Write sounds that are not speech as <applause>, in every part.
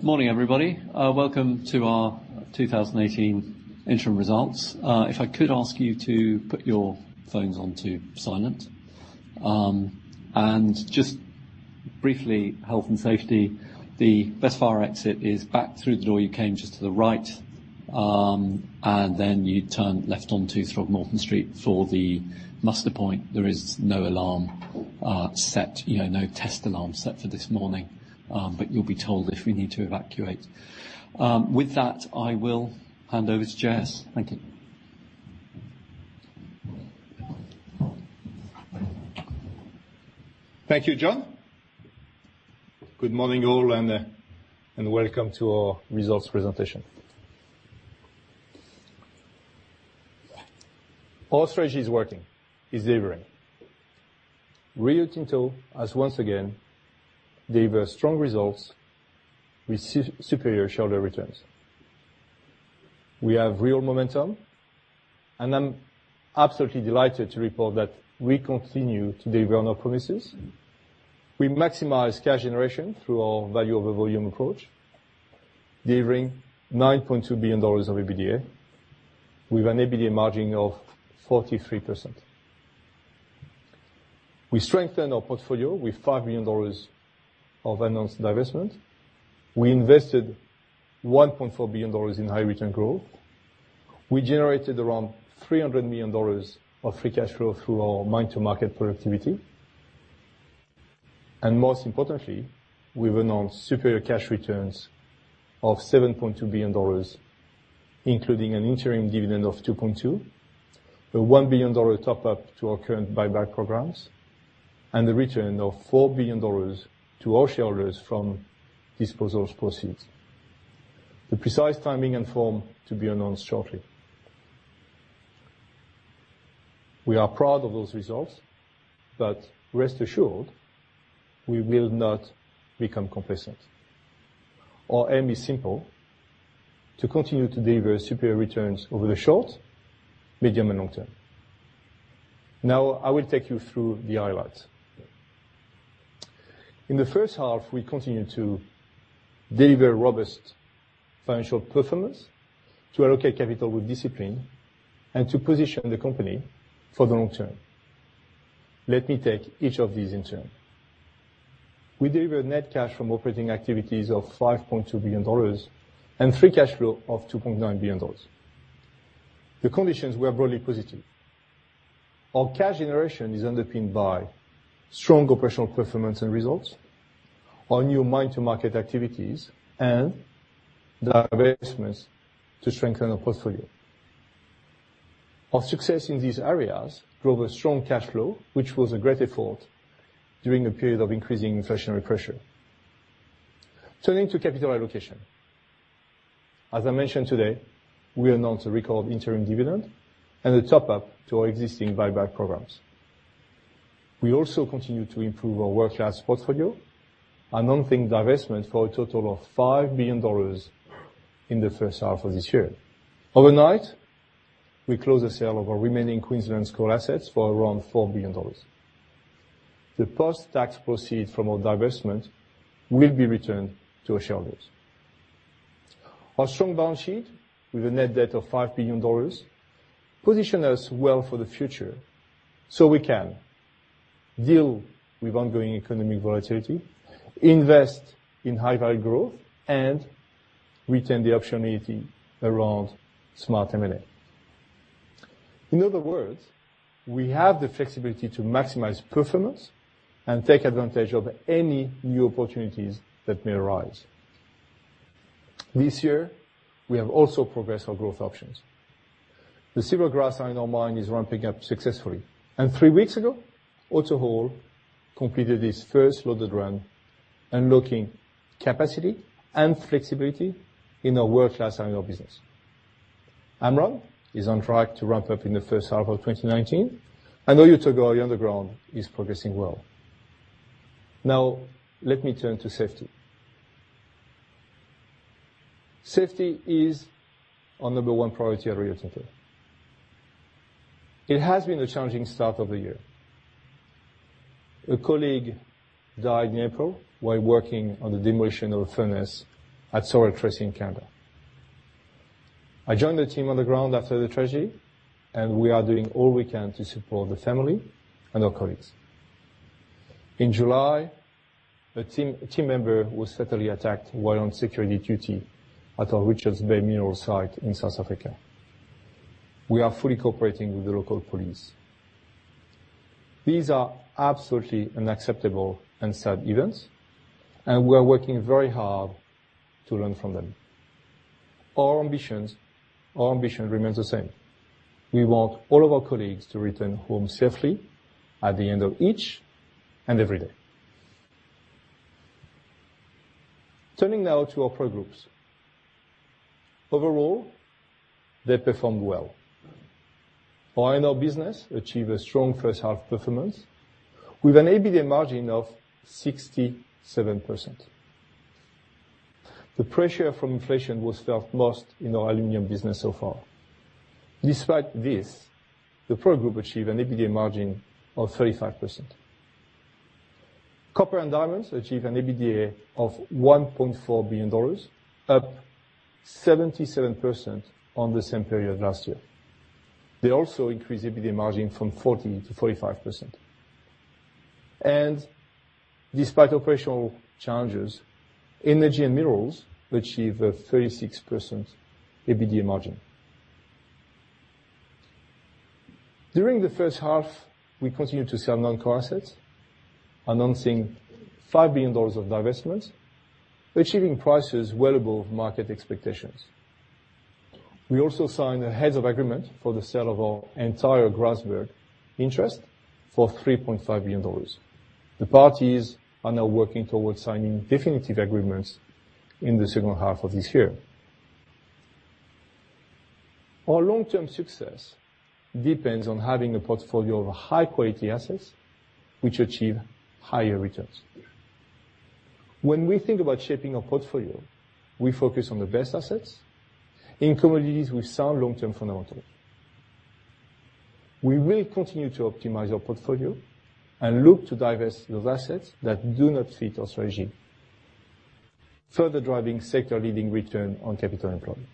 Morning, everybody. Welcome to our 2018 interim results. If I could ask you to put your phones onto silent. Just briefly, health and safety, the best fire exit is back through the door you came, just to the right, then you turn left onto Throgmorton Street for the muster point. There is no alarm set, no test alarm set for this morning, but you'll be told if we need to evacuate. With that, I will hand over to J.S. Thank you. Thank you, John. Good morning all, welcome to our results presentation. Our strategy is working. It's delivering. Rio Tinto has once again delivered strong results with superior shareholder returns. We have real momentum, I'm absolutely delighted to report that we continue to deliver on our promises. We maximize cash generation through our value over volume approach, delivering $9.2 billion of EBITDA, with an EBITDA margin of 43%. We strengthened our portfolio with $5 billion of announced divestment. We invested $1.4 billion in high-return growth. We generated around $300 million of free cash flow through our mine-to-market productivity. Most importantly, we've announced superior cash returns of $7.2 billion, including an interim dividend of $2.2, a $1 billion top-up to our current buyback programs, the return of $4 billion to our shareholders from disposal proceeds. The precise timing and form to be announced shortly. We are proud of those results, rest assured, we will not become complacent. Our aim is simple: to continue to deliver superior returns over the short, medium, and long term. Now, I will take you through the highlights. In the first half, we continued to deliver robust financial performance, to allocate capital with discipline, to position the company for the long term. Let me take each of these in turn. We delivered net cash from operating activities of $5.2 billion and free cash flow of $2.9 billion. The conditions were broadly positive. Our cash generation is underpinned by strong operational performance and results, our new mine-to-market activities, divestments to strengthen our portfolio. Our success in these areas drove a strong cash flow, which was a great effort during a period of increasing inflationary pressure. Turning to capital allocation. As I mentioned today, we announced a record interim dividend, a top-up to our existing buyback programs. We also continue to improve our world-class portfolio, announcing divestments for a total of $5 billion in the first half of this year. Overnight, we closed the sale of our remaining Queensland coal assets for around $4 billion. The post-tax proceeds from our divestment will be returned to our shareholders. Our strong balance sheet, with a net debt of $5 billion, positions us well for the future, we can deal with ongoing economic volatility, invest in high-value growth, retain the optionality around smart M&A. In other words, we have the flexibility to maximize performance, take advantage of any new opportunities that may arise. This year, we have also progressed our growth options. The Silvergrass iron ore mine is ramping up successfully. Three weeks ago, AutoHaul completed its first loaded run, unlocking capacity and flexibility in our world-class iron ore business. Amrun is on track to ramp up in the first half of 2019, and Oyu Tolgoi underground is progressing well. Let me turn to safety. Safety is our number one priority at Rio Tinto. It has been a challenging start of the year. A colleague died in April while working on the demolition of a furnace at Sorel-Tracy in Canada. I joined the team on the ground after the tragedy, and we are doing all we can to support the family and our colleagues. In July, a team member was fatally attacked while on security duty at our Richards Bay Minerals site in South Africa. We are fully cooperating with the local police. These are absolutely unacceptable and sad events. We are working very hard to learn from them. Our ambition remains the same. We want all of our colleagues to return home safely at the end of each and every day. Turning to our product groups. Overall, they performed well. Our iron ore business achieved a strong first half performance with an EBITDA margin of 67%. The pressure from inflation was felt most in our aluminum business so far. Despite this, the [whole group] achieved an EBITDA margin of 35%. Copper and diamonds achieved an EBITDA of $1.4 billion, up 77% on the same period last year. They also increased EBITDA margin from 40%-45%. Despite operational challenges, energy and minerals achieve a 36% EBITDA margin. During the first half, we continued to sell non-core assets, announcing $5 billion of divestments, achieving prices well above market expectations. We also signed a heads of agreement for the sale of our entire Grasberg interest for $3.5 billion. The parties are now working towards signing definitive agreements in the second half of this year. Our long-term success depends on having a portfolio of high-quality assets which achieve higher returns. When we think about shaping our portfolio, we focus on the best assets in commodities with sound long-term fundamentals. We will continue to optimize our portfolio and look to divest those assets that do not fit our strategy, further driving sector-leading return on capital employed.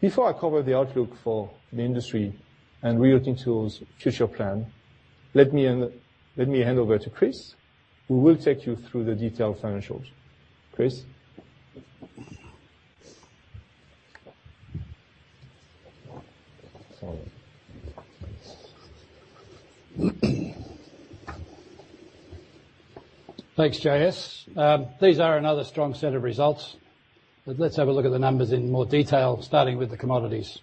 Before I cover the outlook for the industry and Rio Tinto's future plan, let me hand over to Chris, who will take you through the detailed financials. Chris? Thanks, J.S. These are another strong set of results. Let's have a look at the numbers in more detail, starting with the commodities.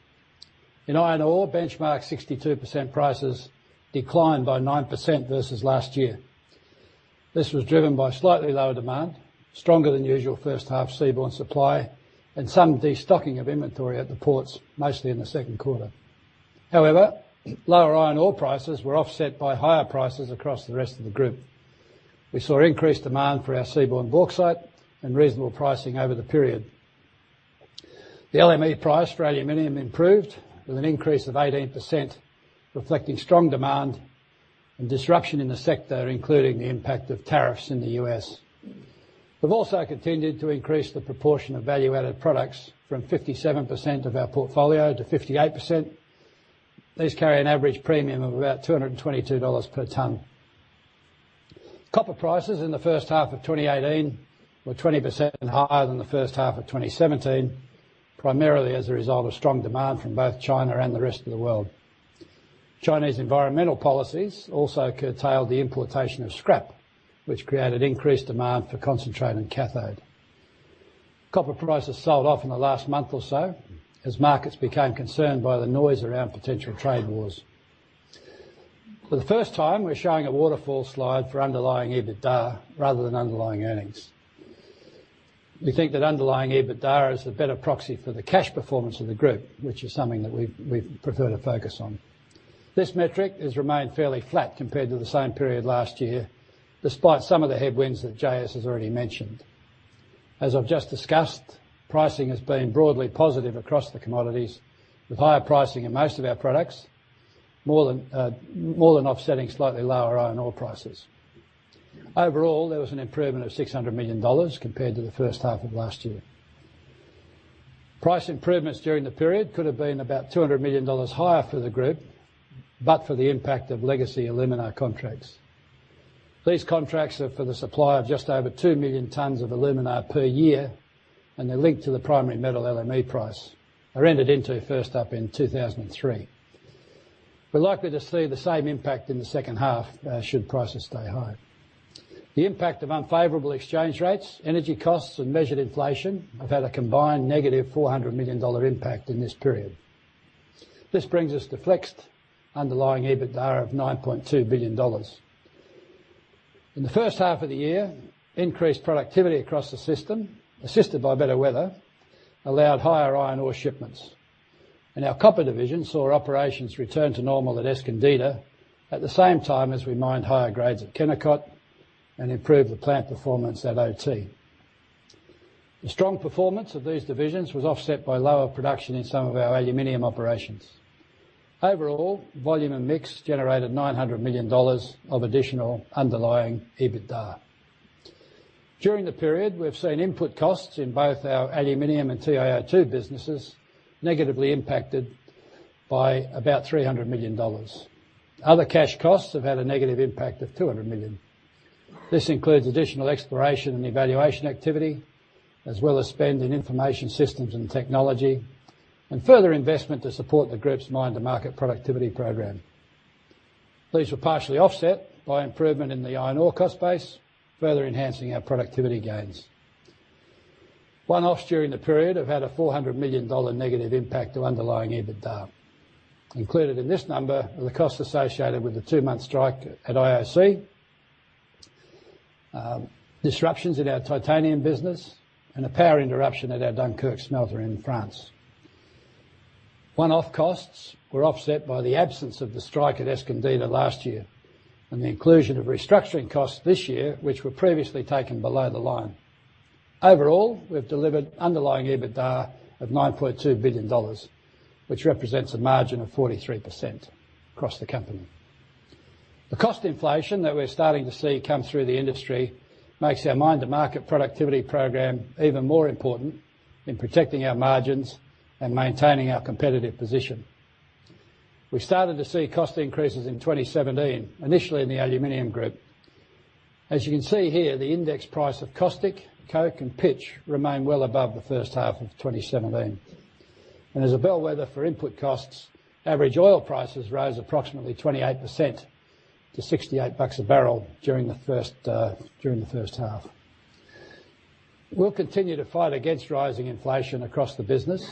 In iron ore, benchmark 62% prices declined by 9% versus last year. This was driven by slightly lower demand, stronger than usual first half seaborne supply, and some destocking of inventory at the ports, mostly in the second quarter. Lower iron ore prices were offset by higher prices across the rest of the group. We saw increased demand for our seaborne bauxite and reasonable pricing over the period. The LME price for aluminum improved with an increase of 18%, reflecting strong demand and disruption in the sector, including the impact of tariffs in the U.S. We've also continued to increase the proportion of value-added products from 57%-58%. These carry an average premium of about $222 per ton. Copper prices in the first half of 2018 were 20% higher than the first half of 2017, primarily as a result of strong demand from both China and the rest of the world. Chinese environmental policies also curtailed the importation of scrap, which created increased demand for concentrate and cathode. Copper prices sold off in the last month or so as markets became concerned by the noise around potential trade wars. For the first time, we're showing a waterfall slide for underlying EBITDA rather than underlying earnings. We think that underlying EBITDA is a better proxy for the cash performance of the group, which is something that we prefer to focus on. This metric has remained fairly flat compared to the same period last year, despite some of the headwinds that J.S. has already mentioned. As I've just discussed, pricing has been broadly positive across the commodities, with higher pricing in most of our products, more than offsetting slightly lower iron ore prices. Overall, there was an improvement of $600 million compared to the first half of last year. Price improvements during the period could have been about $200 million higher for the group, but for the impact of legacy alumina contracts. These contracts are for the supply of just over 2 million tons of alumina per year, and they're linked to the primary metal LME price, are entered into first up in 2003. We're likely to see the same impact in the second half, should prices stay high. The impact of unfavorable exchange rates, energy costs, and measured inflation have had a combined negative $400 million impact in this period. This brings us to flexed underlying EBITDA of $9.2 billion. In the first half of the year, increased productivity across the system, assisted by better weather, allowed higher iron ore shipments. Our copper division saw operations return to normal at Escondida at the same time as we mined higher grades at Kennecott and improved the plant performance at OT. The strong performance of these divisions was offset by lower production in some of our aluminum operations. Overall, volume and mix generated $900 million of additional underlying EBITDA. During the period, we've seen input costs in both our aluminum and TiO2 businesses negatively impacted by about $300 million. Other cash costs have had a negative impact of $200 million. This includes additional exploration and evaluation activity, as well as spend in Information Systems and Technology, and further investment to support the group's mine-to-market productivity program. These were partially offset by improvement in the iron ore cost base, further enhancing our productivity gains. One-offs during the period have had a $400 million negative impact to underlying EBITDA. Included in this number are the costs associated with the 2-month strike at IOC, disruptions at our titanium business, and a power interruption at our Aluminium Dunkerque in France. One-off costs were offset by the absence of the strike at Escondida last year and the inclusion of restructuring costs this year, which were previously taken below the line. Overall, we've delivered underlying EBITDA of $9.2 billion, which represents a margin of 43% across the company. The cost inflation that we're starting to see come through the industry makes our mine-to-market productivity program even more important in protecting our margins and maintaining our competitive position. We started to see cost increases in 2017, initially in the Aluminium Group. As you can see here, the index price of caustic, coke, and pitch remain well above the first half of 2017. As a bellwether for input costs, average oil prices rose approximately 28% to $68 a barrel during the first half. We'll continue to fight against rising inflation across the business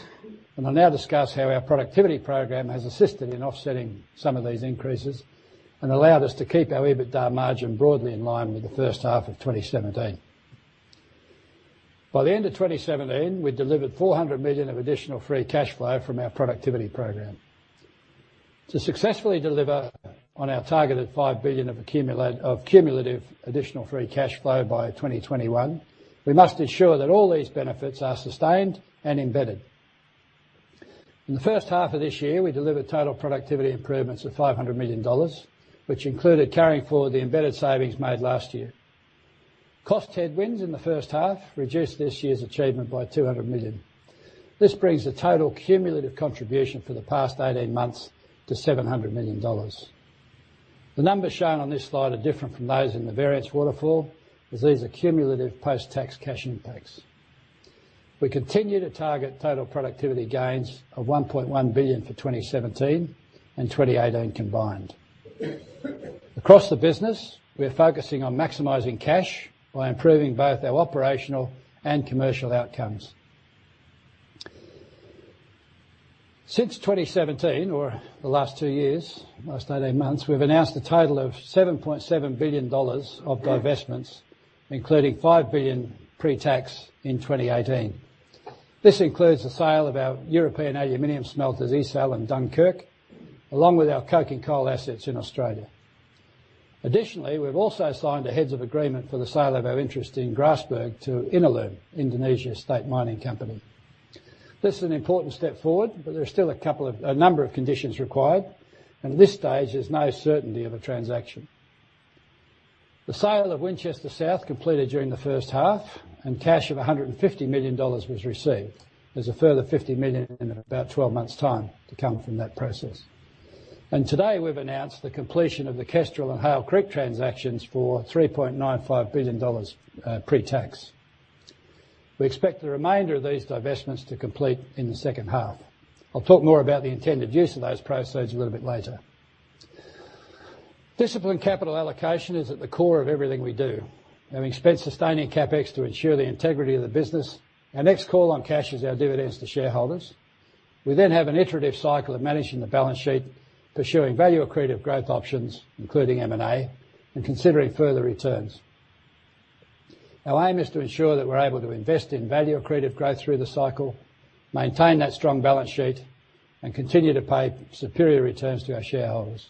and I'll now discuss how our productivity program has assisted in offsetting some of these increases and allowed us to keep our EBITDA margin broadly in line with the first half of 2017. By the end of 2017, we'd delivered $400 million of additional free cash flow from our productivity program. To successfully deliver on our targeted $5 billion of cumulative additional free cash flow by 2021, we must ensure that all these benefits are sustained and embedded. In the first half of this year, we delivered total productivity improvements of $500 million, which included carrying forward the embedded savings made last year. Cost headwinds in the first half reduced this year's achievement by $200 million. This brings the total cumulative contribution for the past 18 months to $700 million. The numbers shown on this slide are different from those in the variance waterfall, as these are cumulative post-tax cash impacts. We continue to target total productivity gains of $1.1 billion for 2017 and 2018 combined. Across the business, we're focusing on maximizing cash by improving both our operational and commercial outcomes. Since 2017, or the last two years, the last 18 months, we've announced a total of $7.7 billion of divestments, including $5 billion pre-tax in 2018. This includes the sale of our European aluminium smelters, Aluminium Dunkerque, along with our coking coal assets in Australia. Additionally, we've also signed a heads of agreement for the sale of our interest in Grasberg to Inalum, Indonesia State Mining Company. This is an important step forward, but there are still a number of conditions required, and at this stage, there's no certainty of a transaction. The sale of Winchester South completed during the first half, and cash of $150 million was received. There's a further $50 million in about 12 months' time to come from that process. Today, we've announced the completion of the Kestrel and Hail Creek transactions for $3.95 billion pre-tax. We expect the remainder of these divestments to complete in the second half. I'll talk more about the intended use of those proceeds a little bit later. Disciplined capital allocation is at the core of everything we do. Having spent sustaining CapEx to ensure the integrity of the business, our next call on cash is our dividends to shareholders. We then have an iterative cycle of managing the balance sheet, pursuing value-accretive growth options, including M&A, and considering further returns. Our aim is to ensure that we're able to invest in value-accretive growth through the cycle, maintain that strong balance sheet, and continue to pay superior returns to our shareholders.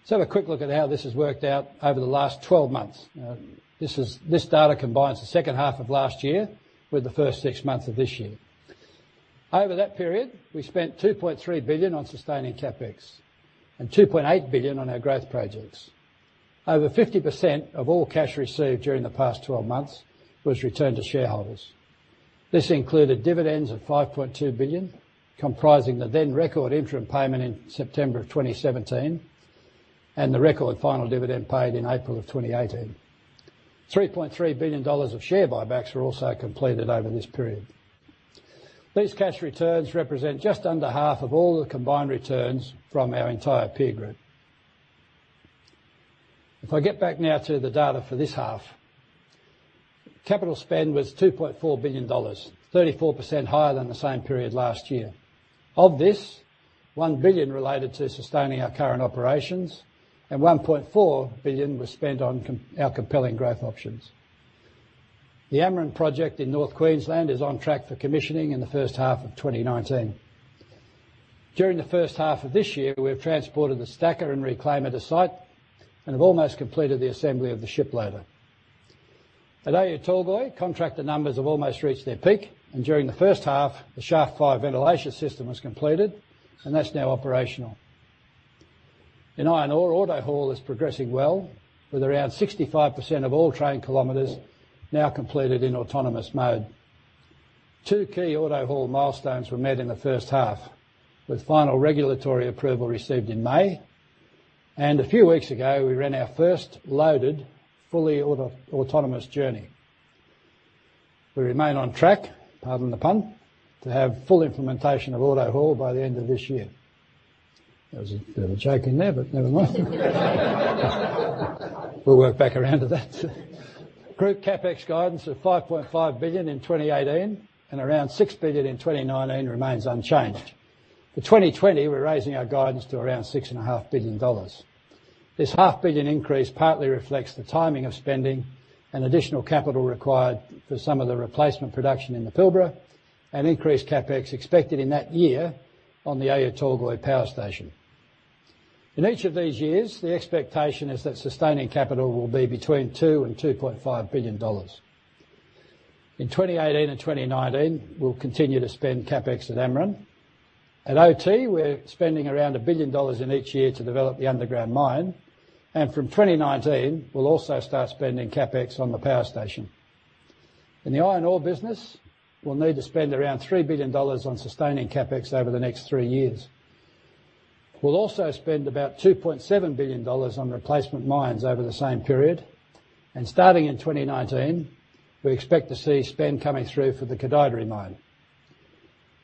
Let's have a quick look at how this has worked out over the last 12 months. This data combines the second half of last year with the first six months of this year. Over that period, we spent $2.3 billion on sustaining CapEx and $2.8 billion on our growth projects. Over 50% of all cash received during the past 12 months was returned to shareholders. This included dividends of $5.2 billion, comprising the then record interim payment in September of 2017 and the record final dividend paid in April of 2018. $3.3 billion of share buybacks were also completed over this period. These cash returns represent just under half of all the combined returns from our entire peer group. If I get back now to the data for this half, capital spend was $2.4 billion, 34% higher than the same period last year. Of this, $1 billion related to sustaining our current operations, and $1.4 billion was spent on our compelling growth options. The Amrun project in North Queensland is on track for commissioning in the first half of 2019. During the first half of this year, we have transported the stacker and reclaimer to site and have almost completed the assembly of the ship loader. At Oyu Tolgoi, contractor numbers have almost reached their peak, during the first half, the shaft 5 ventilation system was completed, and that's now operational. In iron ore, AutoHaul is progressing well, with around 65% of all train kilometers now completed in autonomous mode. Two key AutoHaul milestones were met in the first half, with final regulatory approval received in May. A few weeks ago, we ran our first loaded, fully autonomous journey. We remain on track, pardon the pun, to have full implementation of AutoHaul by the end of this year. There was a bit of a joke in there, but never mind. We'll work back around to that. Group CapEx guidance of $5.5 billion in 2018 and around $6 billion in 2019 remains unchanged. For 2020, we're raising our guidance to around $6.5 billion. This half billion increase partly reflects the timing of spending and additional capital required for some of the replacement production in the Pilbara and increased CapEx expected in that year on the Oyu Tolgoi Power Station. In each of these years, the expectation is that sustaining capital will be between $2 billion and $2.5 billion. In 2018 and 2019, we'll continue to spend CapEx at Amrun. At OT, we're spending around $1 billion in each year to develop the underground mine. From 2019, we'll also start spending CapEx on the power station. In the iron ore business, we'll need to spend around $3 billion on sustaining CapEx over the next three years. We'll also spend about $2.7 billion on replacement mines over the same period. Starting in 2019, we expect to see spend coming through for the Koodaideri mine.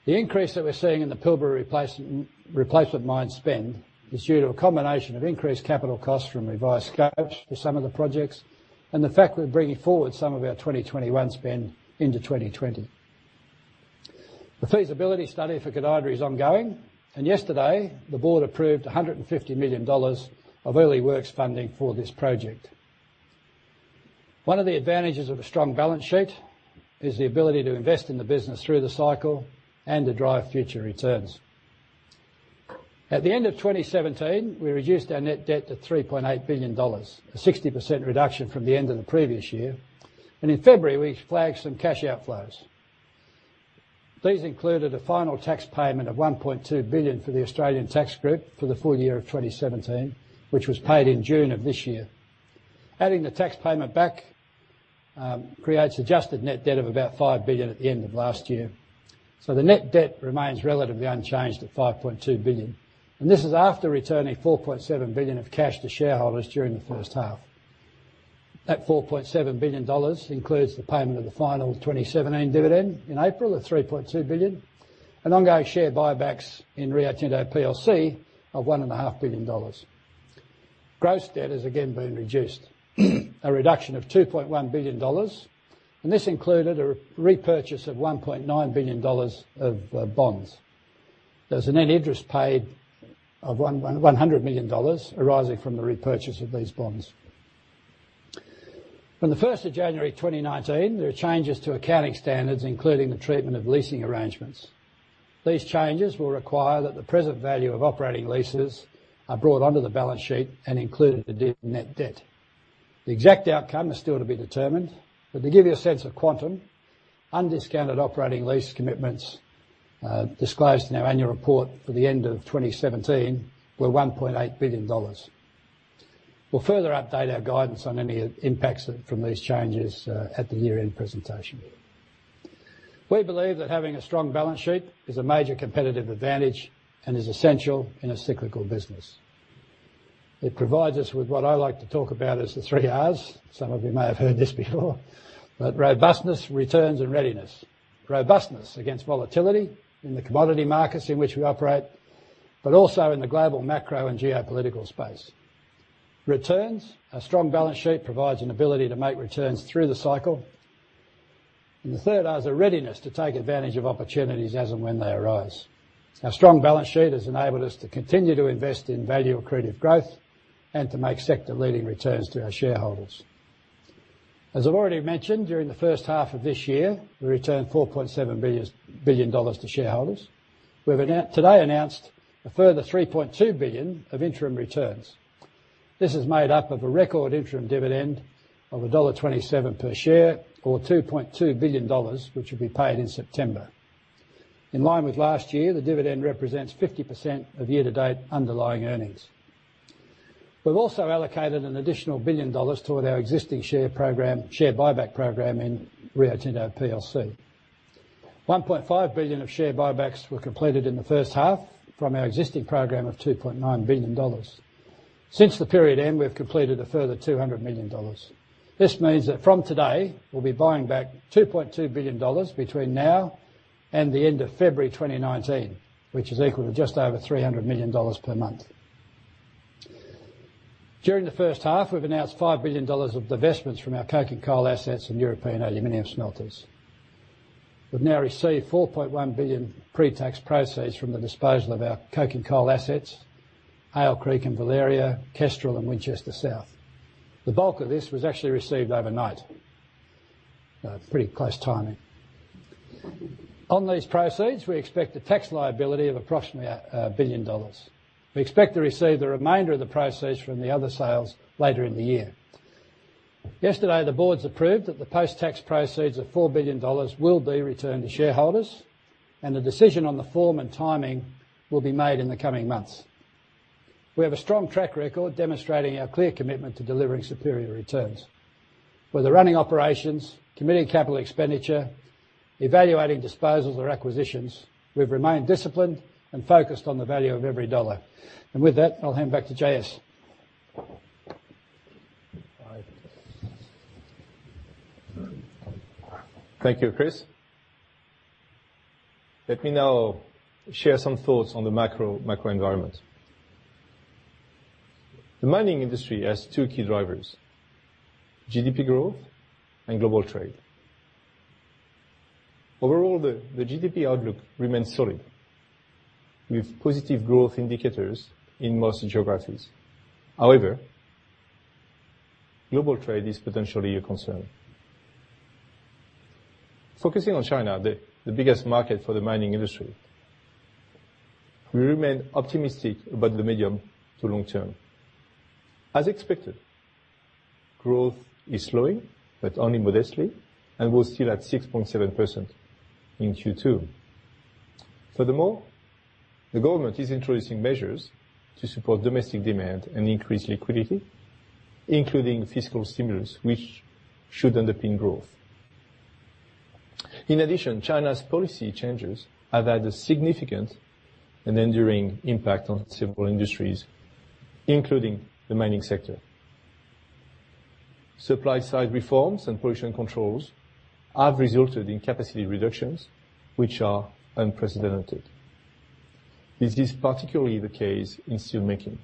The increase that we're seeing in the Pilbara replacement mine spend is due to a combination of increased capital costs from revised scope for some of the projects and the fact we're bringing forward some of our 2021 spend into 2020. The feasibility study for Koodaideri is ongoing, yesterday, the board approved $150 million of early works funding for this project. One of the advantages of a strong balance sheet is the ability to invest in the business through the cycle and to drive future returns. At the end of 2017, we reduced our net debt to $3.8 billion, a 60% reduction from the end of the previous year. In February, we flagged some cash outflows. These included a final tax payment of $1.2 billion for the Australian tax group for the full year of 2017, which was paid in June of this year. Adding the tax payment back creates adjusted net debt of about $5 billion at the end of last year. The net debt remains relatively unchanged at $5.2 billion. This is after returning $4.7 billion of cash to shareholders during the first half. That $4.7 billion includes the payment of the final 2017 dividend in April of $3.2 billion, and ongoing share buybacks in Rio Tinto plc of $1.5 billion. Gross debt has again been reduced. A reduction of $2.1 billion, this included a repurchase of $1.9 billion of bonds. There was a net interest paid of $100 million arising from the repurchase of these bonds. From January 1, 2019, there are changes to accounting standards, including the treatment of leasing arrangements. These changes will require that the present value of operating leases are brought onto the balance sheet and included in the net debt. The exact outcome is still to be determined. To give you a sense of quantum, undiscounted operating lease commitments disclosed in our annual report for the end of 2017 were $1.8 billion. We'll further update our guidance on any impacts from these changes at the year-end presentation. We believe that having a strong balance sheet is a major competitive advantage and is essential in a cyclical business. It provides us with what I like to talk about as the three Rs. Some of you may have heard this before, robustness, returns, and readiness. Robustness against volatility in the commodity markets in which we operate, but also in the global macro and geopolitical space. Returns. A strong balance sheet provides an ability to make returns through the cycle. The third R is a readiness to take advantage of opportunities as and when they arise. Our strong balance sheet has enabled us to continue to invest in value-accretive growth and to make sector-leading returns to our shareholders. As I've already mentioned, during the first half of this year, we returned $4.7 billion to shareholders. We've today announced a further $3.2 billion of interim returns. This is made up of a record interim dividend of $1.27 per share or $2.2 billion, which will be paid in September. In line with last year, the dividend represents 50% of year-to-date underlying earnings. We've also allocated an additional $1 billion toward our existing share buyback program in Rio Tinto plc. $1.5 billion of share buybacks were completed in the first half from our existing program of $2.9 billion. Since the period end, we've completed a further $200 million. This means that from today, we'll be buying back $2.2 billion between now and the end of February 2019, which is equal to just over $300 million per month. During the first half, we've announced $5 billion of divestments from our coking coal assets and European aluminium smelters. We've now received $4.1 billion pre-tax proceeds from the disposal of our coking coal assets, Hail Creek and Valeria, Kestrel, and Winchester South. The bulk of this was actually received overnight. Pretty close timing. On these proceeds, we expect a tax liability of approximately $1 billion. We expect to receive the remainder of the proceeds from the other sales later in the year. Yesterday, the boards approved that the post-tax proceeds of $4 billion will be returned to shareholders. The decision on the form and timing will be made in the coming months. We have a strong track record demonstrating our clear commitment to delivering superior returns. Whether running operations, committing capital expenditure, evaluating disposals or acquisitions, we've remained disciplined and focused on the value of every dollar. With that, I'll hand back to J.S. Thank you, Chris. Let me now share some thoughts on the macro environment. The mining industry has two key drivers: GDP growth and global trade. The GDP outlook remains solid, with positive growth indicators in most geographies. Global trade is potentially a concern. Focusing on China, the biggest market for the mining industry, we remain optimistic about the medium to long term. As expected, growth is slowing, but only modestly, and was still at 6.7% in Q2. The government is introducing measures to support domestic demand and increase liquidity, including fiscal stimulus, which should underpin growth. China's policy changes have had a significant and enduring impact on several industries, including the mining sector. Supply side reforms and pollution controls have resulted in capacity reductions, which are unprecedented. This is particularly the case in steelmaking.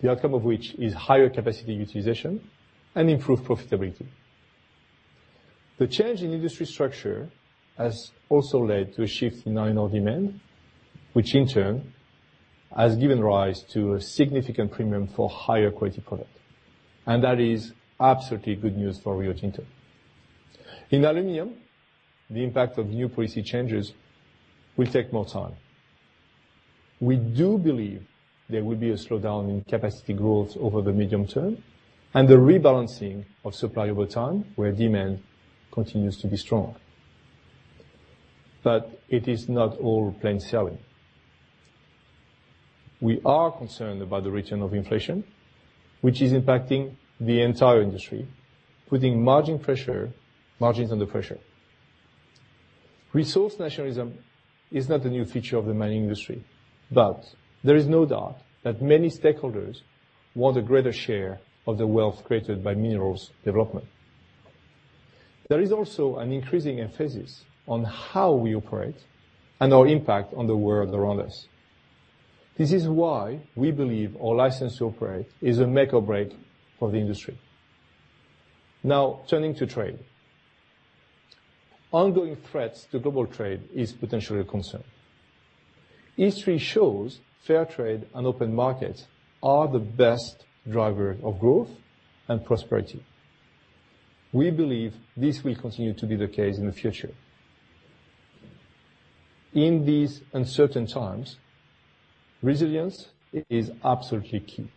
The outcome of which is higher capacity utilization and improved profitability. The change in industry structure has also led to a shift in iron ore demand, which in turn has given rise to a significant premium for higher quality product. That is absolutely good news for Rio Tinto. In aluminum, the impact of new policy changes will take more time. We do believe there will be a slowdown in capacity growth over the medium term and the rebalancing of supply over time where demand continues to be strong. It is not all plain sailing. We are concerned about the return of inflation, which is impacting the entire industry, putting margins under pressure. Resource nationalism is not a new feature of the mining industry, but there is no doubt that many stakeholders want a greater share of the wealth created by minerals development. There is also an increasing emphasis on how we operate and our impact on the world around us. This is why we believe our license to operate is a make or break for the industry. Now turning to trade. Ongoing threats to global trade is potentially a concern. History shows fair trade and open markets are the best driver of growth and prosperity. We believe this will continue to be the case in the future. In these uncertain times, resilience is absolutely key.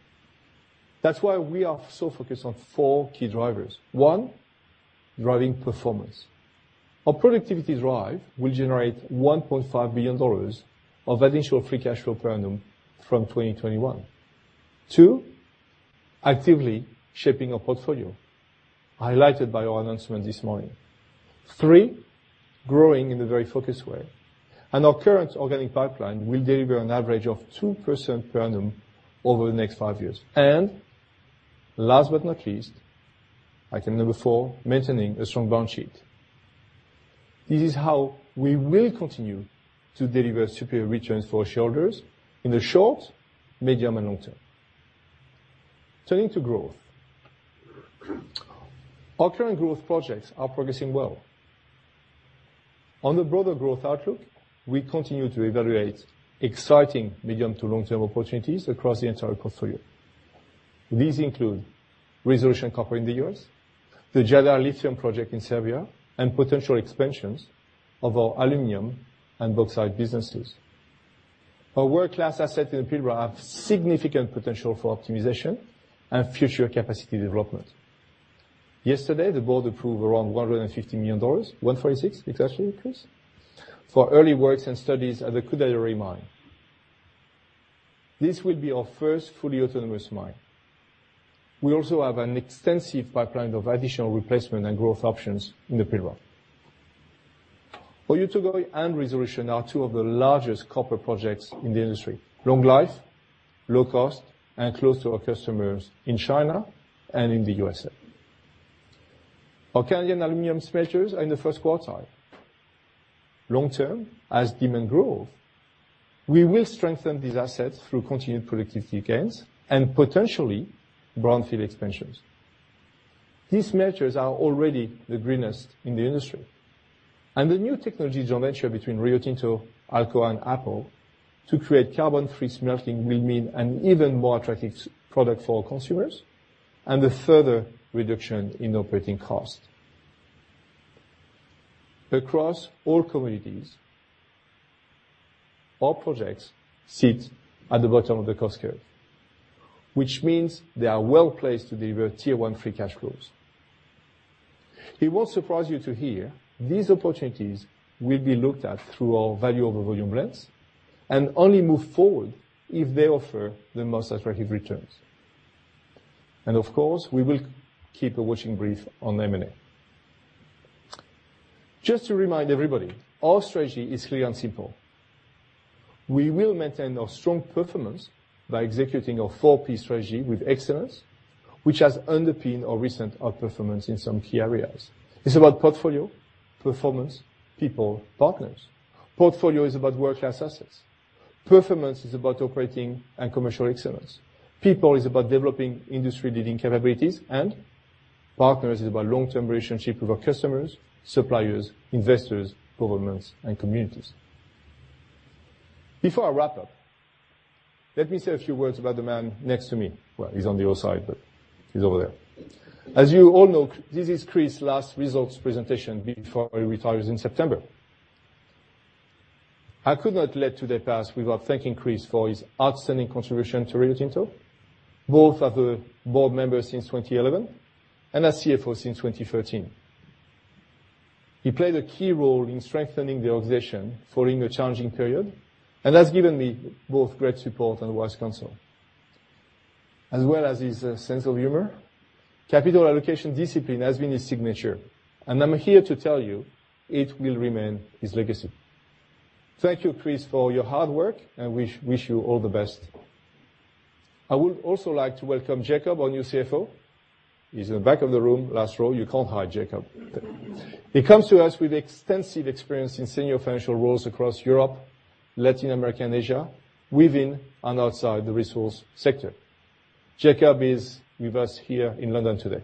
That's why we are so focused on four key drivers. One, driving performance. Our productivity drive will generate $1.5 billion of additional free cash flow per annum from 2021. Two, actively shaping our portfolio, highlighted by our announcement this morning. Three, growing in a very focused way. Our current organic pipeline will deliver an average of 2% per annum over the next five years. Last but not least, item number four, maintaining a strong balance sheet. This is how we will continue to deliver superior returns for our shareholders in the short, medium, and long term. Turning to growth. Our current growth projects are progressing well. On the broader growth outlook, we continue to evaluate exciting medium to long-term opportunities across the entire portfolio. These include Resolution Copper in the U.S., the Jadar lithium project in Serbia, and potential expansions of our aluminum and bauxite businesses. Our world-class assets in the Pilbara have significant potential for optimization and future capacity development. Yesterday, the board approved around $150 million, $146 million it is actually, Chris, for early works and studies at the Koodaideri mine. This will be our first fully autonomous mine. We also have an extensive pipeline of additional replacement and growth options in the Pilbara. Oyu Tolgoi and Resolution are two of the largest copper projects in the industry. Long life, low cost, and close to our customers in China and in the U.S.A. Our Canadian aluminum smelters are in the first quartile. Long term, as demand grows, we will strengthen these assets through continued productivity gains and potentially brownfield expansions. These measures are already the greenest in the industry. The new technology joint venture between Rio Tinto, Alcoa and Apple to create carbon-free smelting will mean an even more attractive product for our consumers and a further reduction in operating costs. Across all communities, our projects sit at the bottom of the cost curve, which means they are well-placed to deliver tier 1 free cash flows. It won't surprise you to hear these opportunities will be looked at through our value over volume lens and only move forward if they offer the most attractive returns. Of course, we will keep a watching brief on M&A. Just to remind everybody, our strategy is clear and simple. We will maintain our strong performance by executing our four P strategy with excellence, which has underpinned our recent outperformance in some key areas. It's about portfolio, performance, people, partners. Portfolio is about world-class assets. Performance is about operating and commercial excellence. People is about developing industry-leading capabilities. Partners is about long-term relationships with our customers, suppliers, investors, governments, and communities. Before I wrap up, let me say a few words about the man next to me. Well, he's on the other side, but he's over there. As you all know, this is Chris's last results presentation before he retires in September. I could not let today pass without thanking Chris for his outstanding contribution to Rio Tinto, both as a board member since 2011 and as CFO since 2013. He played a key role in strengthening the organization following a challenging period and has given me both great support and wise counsel. As well as his sense of humor, capital allocation discipline has been his signature, and I'm here to tell you it will remain his legacy. Thank you, Chris, for all your hard work, and we wish you all the best. I would also like to welcome Jakob, our new CFO. He's in the back of the room, last row. You can't hide, Jakob. He comes to us with extensive experience in senior financial roles across Europe, Latin America, and Asia, within and outside the resource sector. Jakob is with us here in London today.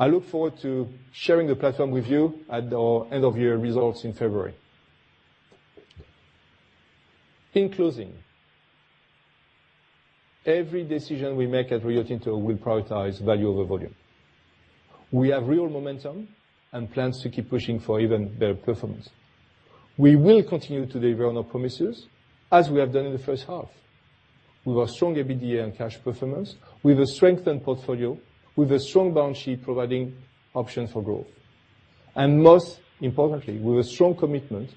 I look forward to sharing the platform with you at our end-of-year results in February. In closing, every decision we make at Rio Tinto will prioritize value over volume. We have real momentum and plans to keep pushing for even better performance. We will continue to deliver on our promises as we have done in the first half, with our strong EBITDA and cash performance, with a strengthened portfolio, with a strong balance sheet providing options for growth, and most importantly, with a strong commitment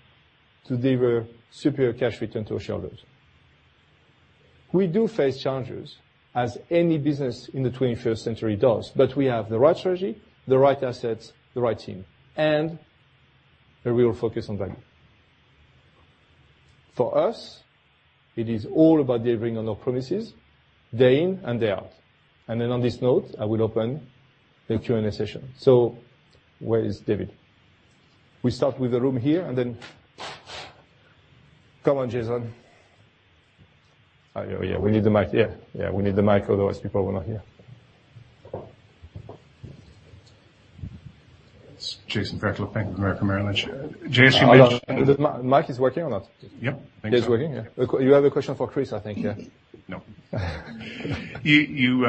to deliver superior cash return to our shareholders. We do face challenges as any business in the 21st century does, but we have the right strategy, the right assets, the right team, and a real focus on value. For us, it is all about delivering on our promises, day in and day out. On this note, I will open the Q&A session. Where is David? We start with the room here and then Come on, Jason. Yeah, we need the mic, otherwise people will not hear. It's Jason Fairclough, Bank of America Merrill Lynch. The mic is working or not? Yep. It is working, yeah. You have a question for Chris, I think, yeah? No. You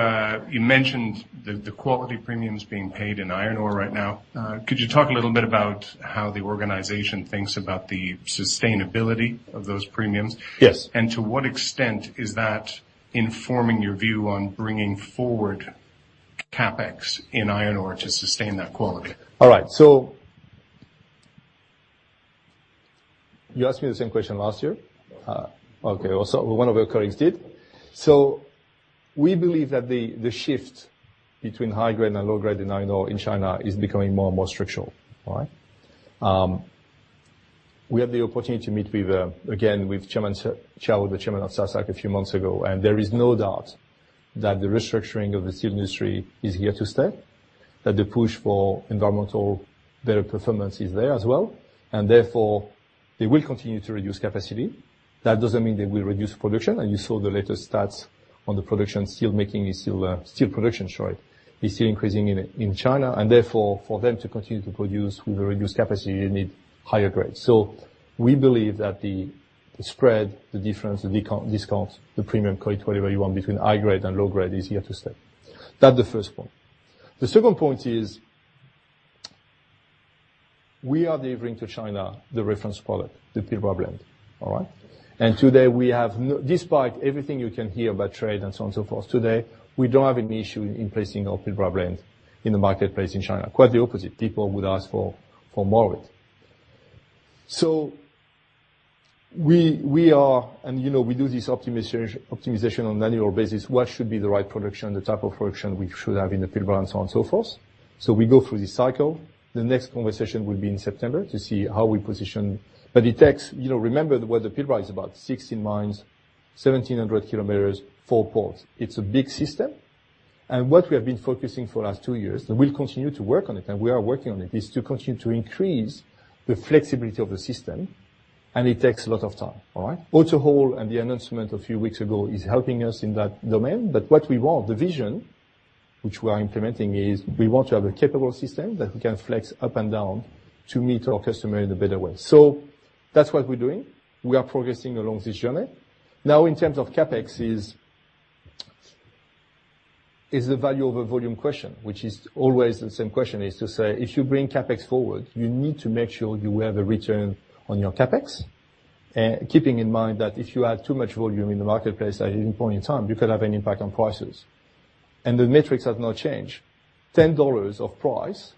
mentioned the quality premiums being paid in iron ore right now. Could you talk a little bit about how the organization thinks about the sustainability of those premiums? Yes. To what extent is that informing your view on bringing forward CapEx in iron ore to sustain that quality? All right. You asked me the same question last year. No. Well, one of your colleagues did. We believe that the shift between high grade and low grade in iron ore in China is becoming more and more structural. All right? We had the opportunity to meet with Xiao Yaqing, the Chairman of SASAC, a few months ago, and there is no doubt that the restructuring of the steel industry is here to stay, that the push for environmental better performance is there as well, and therefore they will continue to reduce capacity. That doesn't mean they will reduce production, and you saw the latest stats on the production. Steel production is still increasing in China, and therefore, for them to continue to produce with a reduced capacity, you need higher grades. We believe that the spread, the difference, the discount, the premium, call it whatever you want, between high grade and low grade is here to stay. That's the first point. The second point is we are delivering to China the reference product, the Pilbara Blend. All right? Despite everything you can hear about trade and so on and so forth, today, we don't have any issue in placing our Pilbara Blend in the marketplace in China. Quite the opposite. People would ask for more of it. We do this optimization on an annual basis. What should be the right production, the type of production we should have in the Pilbara, and so on and so forth. We go through this cycle. The next conversation will be in September to see how we position. Remember, the Pilbara is about 16 mines, 1,700 km, four ports. It's a big system. What we have been focusing for last two years, and we'll continue to work on it, and we are working on it, is to continue to increase the flexibility of the system, and it takes a lot of time. All right? AutoHaul and the announcement a few weeks ago is helping us in that domain. What we want, the vision which we are implementing is we want to have a capable system that we can flex up and down to meet our customer in a better way. That's what we're doing. We are progressing along this journey. Now, in terms of CapEx is the value of a volume question, which is always the same question, is to say, if you bring CapEx forward, you need to make sure you have a return on your CapEx. Keeping in mind that if you have too much volume in the marketplace at any point in time, you could have an impact on prices. The metrics have not changed. $10 of price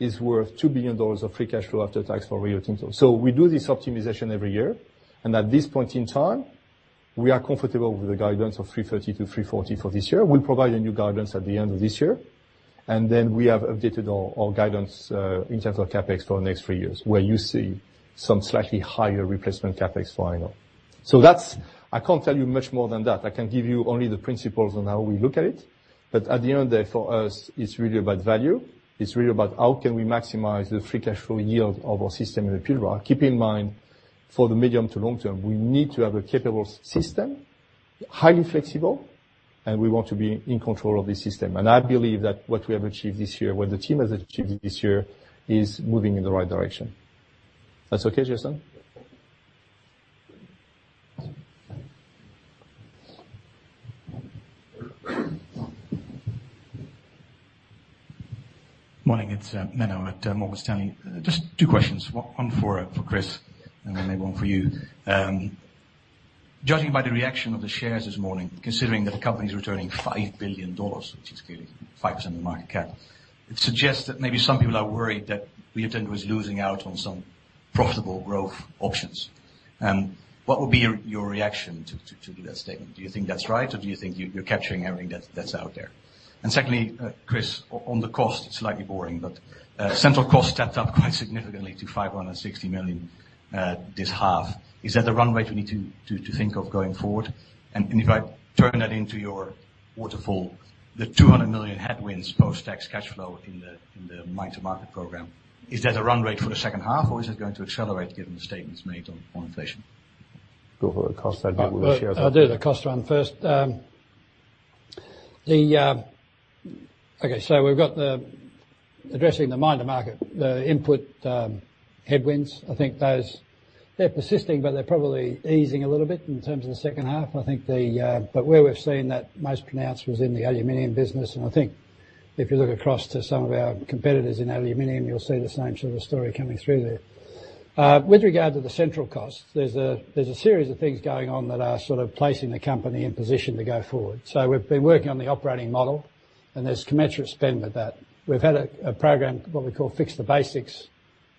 is worth $2 billion of free cash flow after tax for Rio Tinto. We do this optimization every year, and at this point in time, we are comfortable with the guidance of 330 to 340 for this year. We'll provide a new guidance at the end of this year, and then we have updated our guidance in terms of CapEx for the next three years, where you see some slightly higher replacement CapEx for iron ore. I can't tell you much more than that. I can give you only the principles on how we look at it. At the end of the day, for us, it's really about value. It's really about how can we maximize the free cash flow yield of our system in the Pilbara. Keep in mind, for the medium to long term, we need to have a capable system, highly flexible. We want to be in control of the system. I believe that what we have achieved this year, what the team has achieved this year, is moving in the right direction. That's okay, Jason? Morning, it's Menno at Morgan Stanley. Just two questions. One for Chris, then maybe one for you. Judging by the reaction of the shares this morning, considering that the company's returning $5 billion, which is clearly 5% of the market cap, it suggests that maybe some people are worried that Rio Tinto is losing out on some profitable growth options. What would be your reaction to that statement? Do you think that's right, or do you think you're capturing everything that's out there? Secondly, Chris, on the cost, slightly boring, but central cost stepped up quite significantly to $560 million this half. Is that the run rate we need to think of going forward? If I turn that into your waterfall, the $200 million headwinds post-tax cash flow in the mine-to-market program, is that a run rate for the second half, or is it going to accelerate given the statements made on inflation? Go for the cost side, maybe we'll share- I'll do the cost run first. We've got the addressing the Mine-to-market, the input headwinds. They're persisting, but they're probably easing a little bit in terms of the second half. Where we've seen that most pronounced was in the aluminium business. If you look across to some of our competitors in aluminium, you'll see the same sort of story coming through there. With regard to the central cost, there's a series of things going on that are sort of placing the company in position to go forward. We've been working on the operating model, and there's commensurate spend with that. We've had a program, what we call Fix the Basics,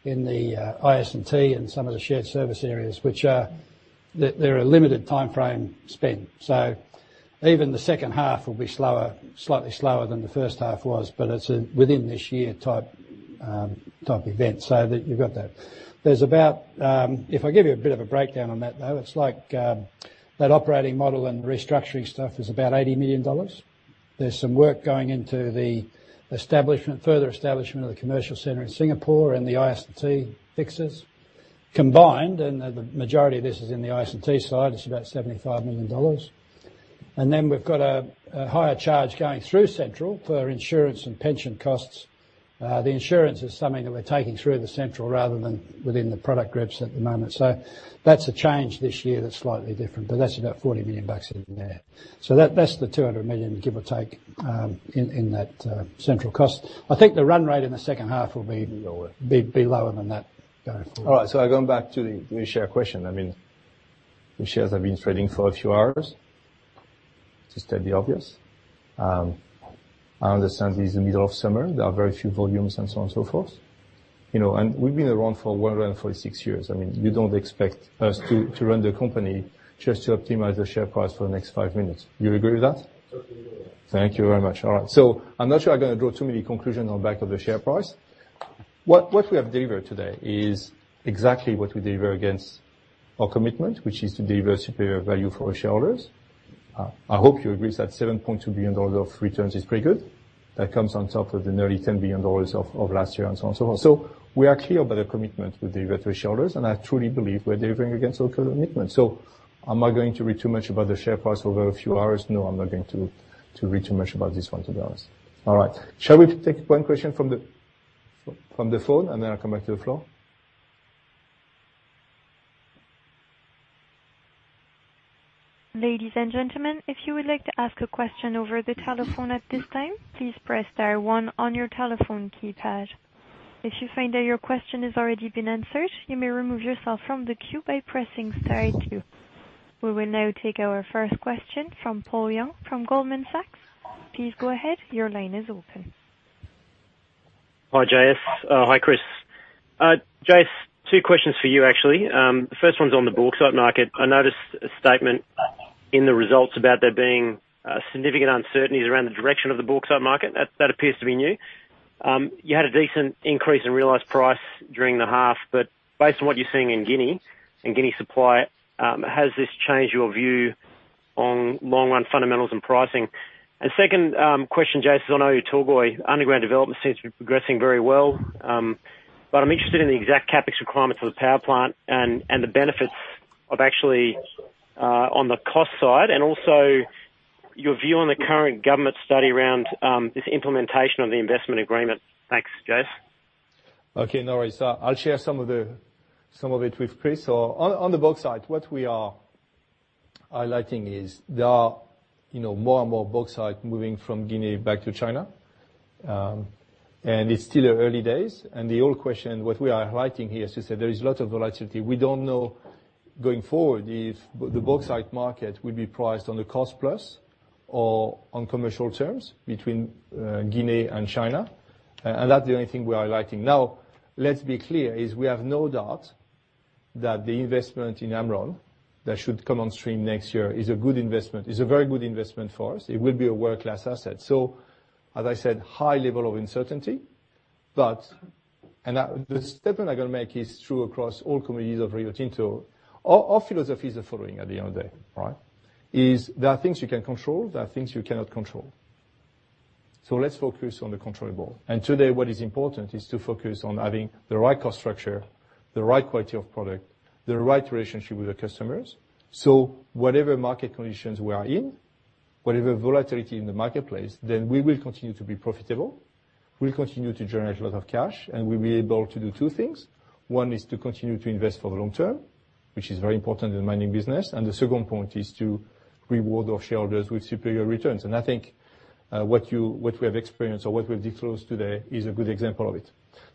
in the IS&T and some of the shared service areas, which are limited timeframe spend. Even the second half will be slightly slower than the first half was, but it's within this year type event. That you've got that. If I give you a bit of a breakdown on that, though, it's like that operating model and restructuring stuff is about $80 million. There's some work going into the further establishment of the commercial center in Singapore and the IS&T fixes. Combined, and the majority of this is in the IS&T side, it's about $75 million. We've got a higher charge going through central for insurance and pension costs. The insurance is something that we're taking through the central rather than within the product groups at the moment. That's a change this year that's slightly different, but that's about $40 million in there. That's the $200 million, give or take, in that central cost. The run rate in the second half will be lower than that going forward. Going back to the share question. The shares have been trading for a few hours, to state the obvious. I understand it is the middle of summer. There are very few volumes and so on and so forth. We've been around for 146 years. You don't expect us to run the company just to optimize the share price for the next five minutes. You agree with that? Totally agree. Thank you very much. All right. I'm not sure I'm going to draw too many conclusions on back of the share price. What we have delivered today is exactly what we deliver against our commitment, which is to deliver superior value for our shareholders. I hope you agree that $7.2 billion of returns is pretty good. That comes on top of the nearly $10 billion of last year and so on and so forth. We are clear about our commitment to deliver to our shareholders, and I truly believe we're delivering against our commitment. Am I going to read too much about the share price over a few hours? No, I'm not going to read too much about this one, to be honest. All right. Shall we take one question from the phone, and then I'll come back to the floor. Ladies and gentlemen, if you would like to ask a question over the telephone at this time, please press star 1 on your telephone keypad. If you find that your question has already been answered, you may remove yourself from the queue by pressing star 2. We will now take our first question from Paul Young from Goldman Sachs. Please go ahead. Your line is open. Hi, J.S. Hi, Chris. J.S., two questions for you, actually. The first one's on the bauxite market. I noticed a statement in the results about there being significant uncertainties around the direction of the bauxite market. That appears to be new. You had a decent increase in realized price during the half, but based on what you're seeing in Guinea and Guinea supply, has this changed your view on long run fundamentals and pricing? Second question, J.S., I know your Oyu Tolgoi underground development seems to be progressing very well. But I'm interested in the exact CapEx requirements for the power plant and the benefits of actually on the cost side, and also your view on the current government study around this implementation of the investment agreement. Thanks, J.S. Okay, no worries. I'll share some of it with Chris. On the bauxite, what we are highlighting is there are more and more bauxite moving from Guinea back to China. It's still early days, and the old question, what we are highlighting here, as you said, there is a lot of volatility. We don't know going forward if the bauxite market will be priced on the cost plus or on commercial terms between Guinea and China. That's the only thing we are highlighting. Let's be clear, is we have no doubt that the investment in Amrun that should come on stream next year is a very good investment for us. It will be a world-class asset. As I said, high level of uncertainty. The statement I'm going to make is true across all commodities of Rio Tinto. Our philosophy is the following at the end of the day. Is there are things you can control, there are things you cannot control. Let's focus on the controllable. Today what is important is to focus on having the right cost structure, the right quality of product, the right relationship with the customers. Whatever market conditions we are in, whatever volatility in the marketplace, then we will continue to be profitable, we'll continue to generate a lot of cash, and we'll be able to do two things. One is to continue to invest for the long term, which is very important in the mining business. The second point is to reward our shareholders with superior returns. I think what we have experienced or what we have disclosed today is a good example of it.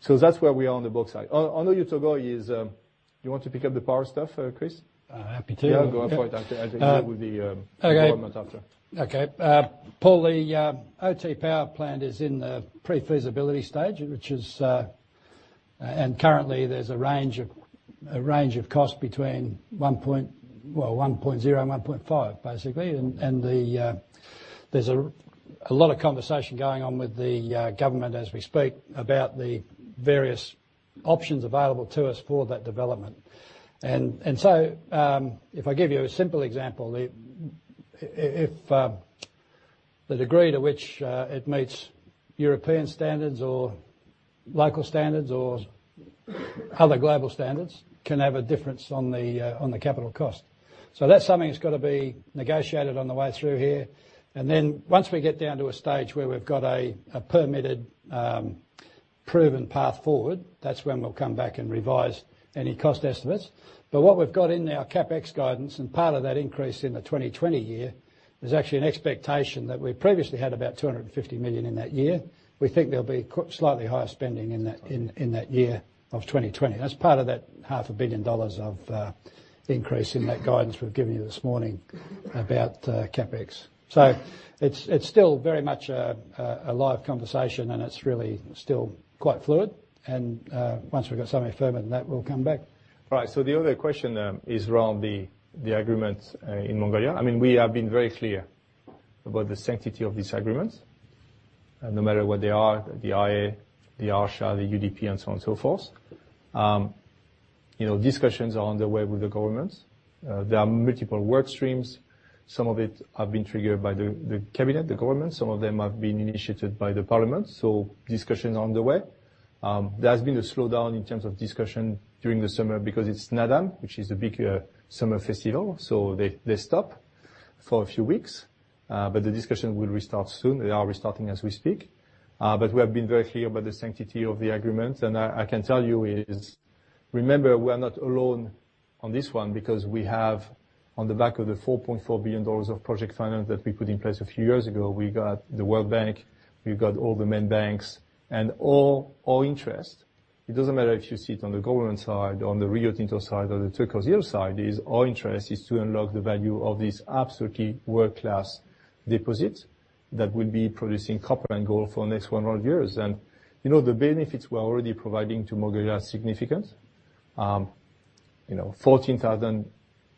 That's where we are on the bauxite. I know you've to go, yes, you want to pick up the power stuff, Chris? Happy to. Yeah. Go for it. I'll deal with the government after. Okay. Paul, the OT power plant is in the pre-feasibility stage, currently there's a range of cost between $1.0 and $1.5 basically. There's a lot of conversation going on with the government as we speak about the various options available to us for that development. If I give you a simple example, if the degree to which it meets European standards or local standards or other global standards can have a difference on the capital cost. That's something that's got to be negotiated on the way through here. Once we get down to a stage where we've got a permitted, proven path forward, that's when we'll come back and revise any cost estimates. What we've got in our CapEx guidance, and part of that increase in the 2020 year, is actually an expectation that we previously had about $250 million in that year. We think there'll be slightly higher spending in that year of 2020. That's part of that half a billion dollars of the increase in that guidance we've given you this morning about CapEx. It's still very much a live conversation, and it's really still quite fluid. Once we've got something firm in that, we'll come back. Right. The other question is around the agreements in Mongolia. We have been very clear about the sanctity of these agreements. No matter what they are, the IA, the [Osha], the UDP, and so on and so forth. Discussions are on the way with the government. There are multiple work streams. Some of it have been triggered by the cabinet, the government, some of them have been initiated by the parliament, discussions are underway. There has been a slowdown in terms of discussion during the summer because it's Naadam, which is a big summer festival, they stop for a few weeks. The discussion will restart soon. They are restarting as we speak. We have been very clear about the sanctity of the agreement. I can tell you is, remember, we are not alone on this one because we have on the back of the $4.4 billion of project finance that we put in place a few years ago, we got the World Bank, we've got all the main banks, all interest. It doesn't matter if you sit on the government side or on the Rio Tinto side or the Turquoise Hill side, our interest is to unlock the value of this absolutely world-class deposit that will be producing copper and gold for the next 100 years. The benefits we're already providing to Mongolia are significant. 14,000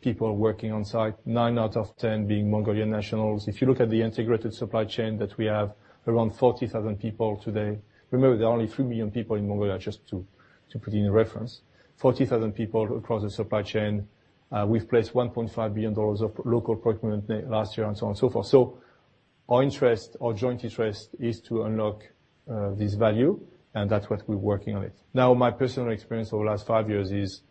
people working on site, nine out of 10 being Mongolian nationals. If you look at the integrated supply chain that we have, around 40,000 people today. Remember, there are only 3 million people in Mongolia, just to put it in reference. 40,000 people across the supply chain. We've placed $1.5 billion of local procurement last year and so on and so forth. Our interest, our joint interest, is to unlock this value, and that's what we're working on it. Now, my personal experience over the last five years is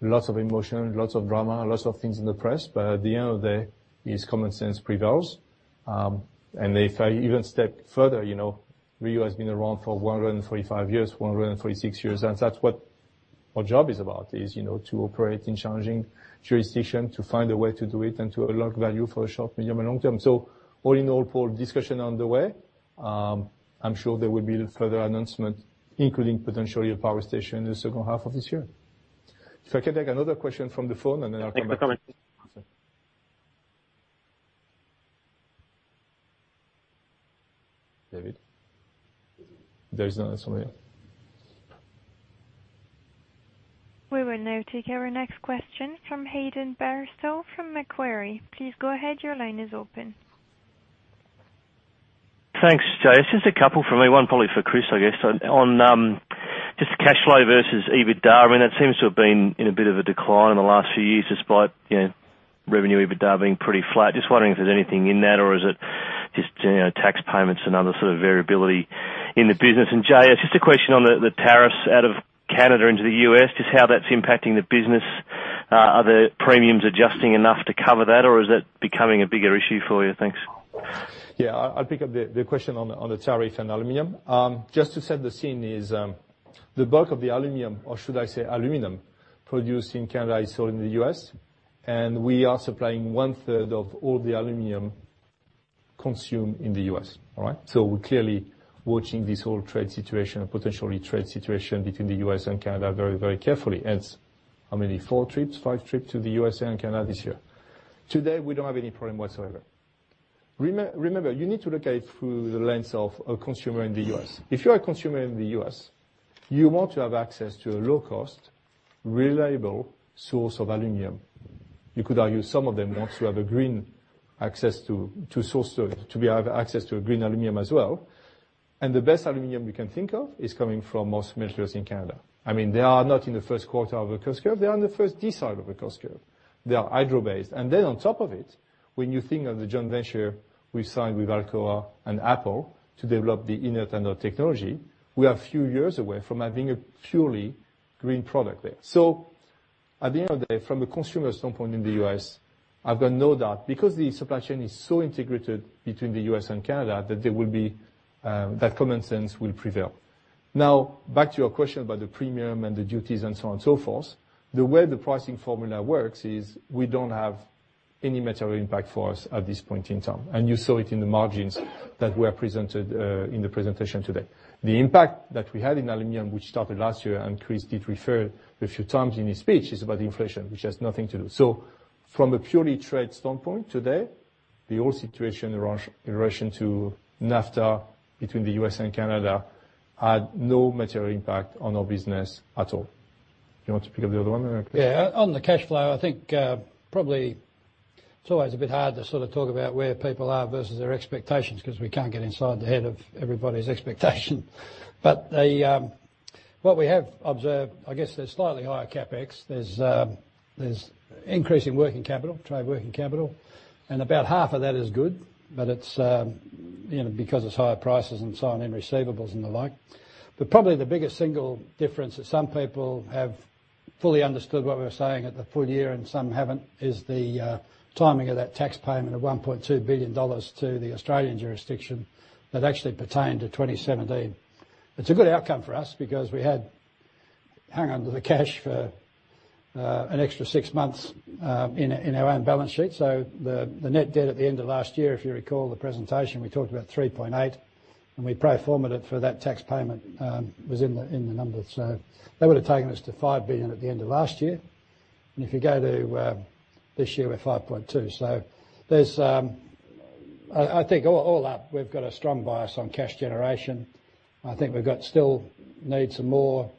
lots of emotion, lots of drama, lots of things in the press. At the end of the day, common sense prevails. If I even step further, Rio has been around for 135 years, 136 years, and that's what our job is about, is to operate in challenging jurisdiction, to find a way to do it, and to unlock value for short, medium, and long term. All in all, Paul, discussion on the way. I'm sure there will be further announcement, including potentially a power station in the second half of this year. If I can take another question from the phone and then I'll come back. Thank you for coming. David? There's none somewhere. We will now take our next question from Hayden Bairstow from Macquarie. Please go ahead, your line is open. Thanks, J.S. It's just a couple from me, one probably for Chris, I guess. On just the cash flow versus EBITDA, it seems to have been in a bit of a decline in the last few years despite revenue EBITDA being pretty flat. Just wondering if there's anything in that or is it just tax payments and other sort of variability in the business. J.S., just a question on the tariffs out of Canada into the U.S., just how that's impacting the business. Are the premiums adjusting enough to cover that or is that becoming a bigger issue for you? Thanks. Yeah. I'll pick up the question on the tariffs and aluminum. Just to set the scene is, the bulk of the aluminum, or should I say aluminum, produced in Canada is sold in the U.S., and we are supplying one-third of all the aluminum consumed in the U.S. All right? We're clearly watching this whole trade situation or potentially trade situation between the U.S. and Canada very carefully, hence, how many? Four trips, five trips to the U.S.A. and Canada this year. Today, we don't have any problem whatsoever. Remember, you need to look at it through the lens of a consumer in the U.S. If you are a consumer in the U.S., you want to have access to a low-cost, reliable source of aluminum. You could argue some of them want to have a green access to source to be have access to a green aluminum as well. The best aluminum we can think of is coming from most smelters in Canada. They are not in the first quarter of a cost curve, they are on the first side of a cost curve. They are hydro-based. On top of it, when you think of the joint venture we signed with Alcoa and Apple to develop the inert anode technology, we are a few years away from having a purely green product there. At the end of the day, from a consumer standpoint in the U.S., I've got no doubt because the supply chain is so integrated between the U.S. and Canada, that common sense will prevail. Back to your question about the premium and the duties and so on and so forth. The way the pricing formula works is we don't have any material impact for us at this point in time. You saw it in the margins that were presented in the presentation today. The impact that we had in aluminum, which started last year and Chris did refer a few times in his speech, is about inflation, which has nothing to do. From a purely trade standpoint today, the whole situation in relation to NAFTA between the U.S. and Canada had no material impact on our business at all. Do you want to pick up the other one? On the cash flow, I think probably it's always a bit hard to sort of talk about where people are versus their expectations because we can't get inside the head of everybody's expectation. What we have observed, I guess there's slightly higher CapEx. There's increase in working capital, trade working capital. About half of that is good, because it's higher prices and so on in receivables and the like. Probably the biggest single difference that some people have fully understood what we were saying at the full year and some haven't, is the timing of that tax payment of $1.2 billion to the Australian jurisdiction that actually pertained to 2017. It's a good outcome for us because we had hung onto the cash for an extra six months in our own balance sheet. The net debt at the end of last year, if you recall the presentation, we talked about $3.8 and we pro formed it for that tax payment was in the numbers. That would have taken us to $5 billion at the end of last year. If you go to this year, we're $5.2. I think all up we've got a strong bias on cash generation. I think we still need some more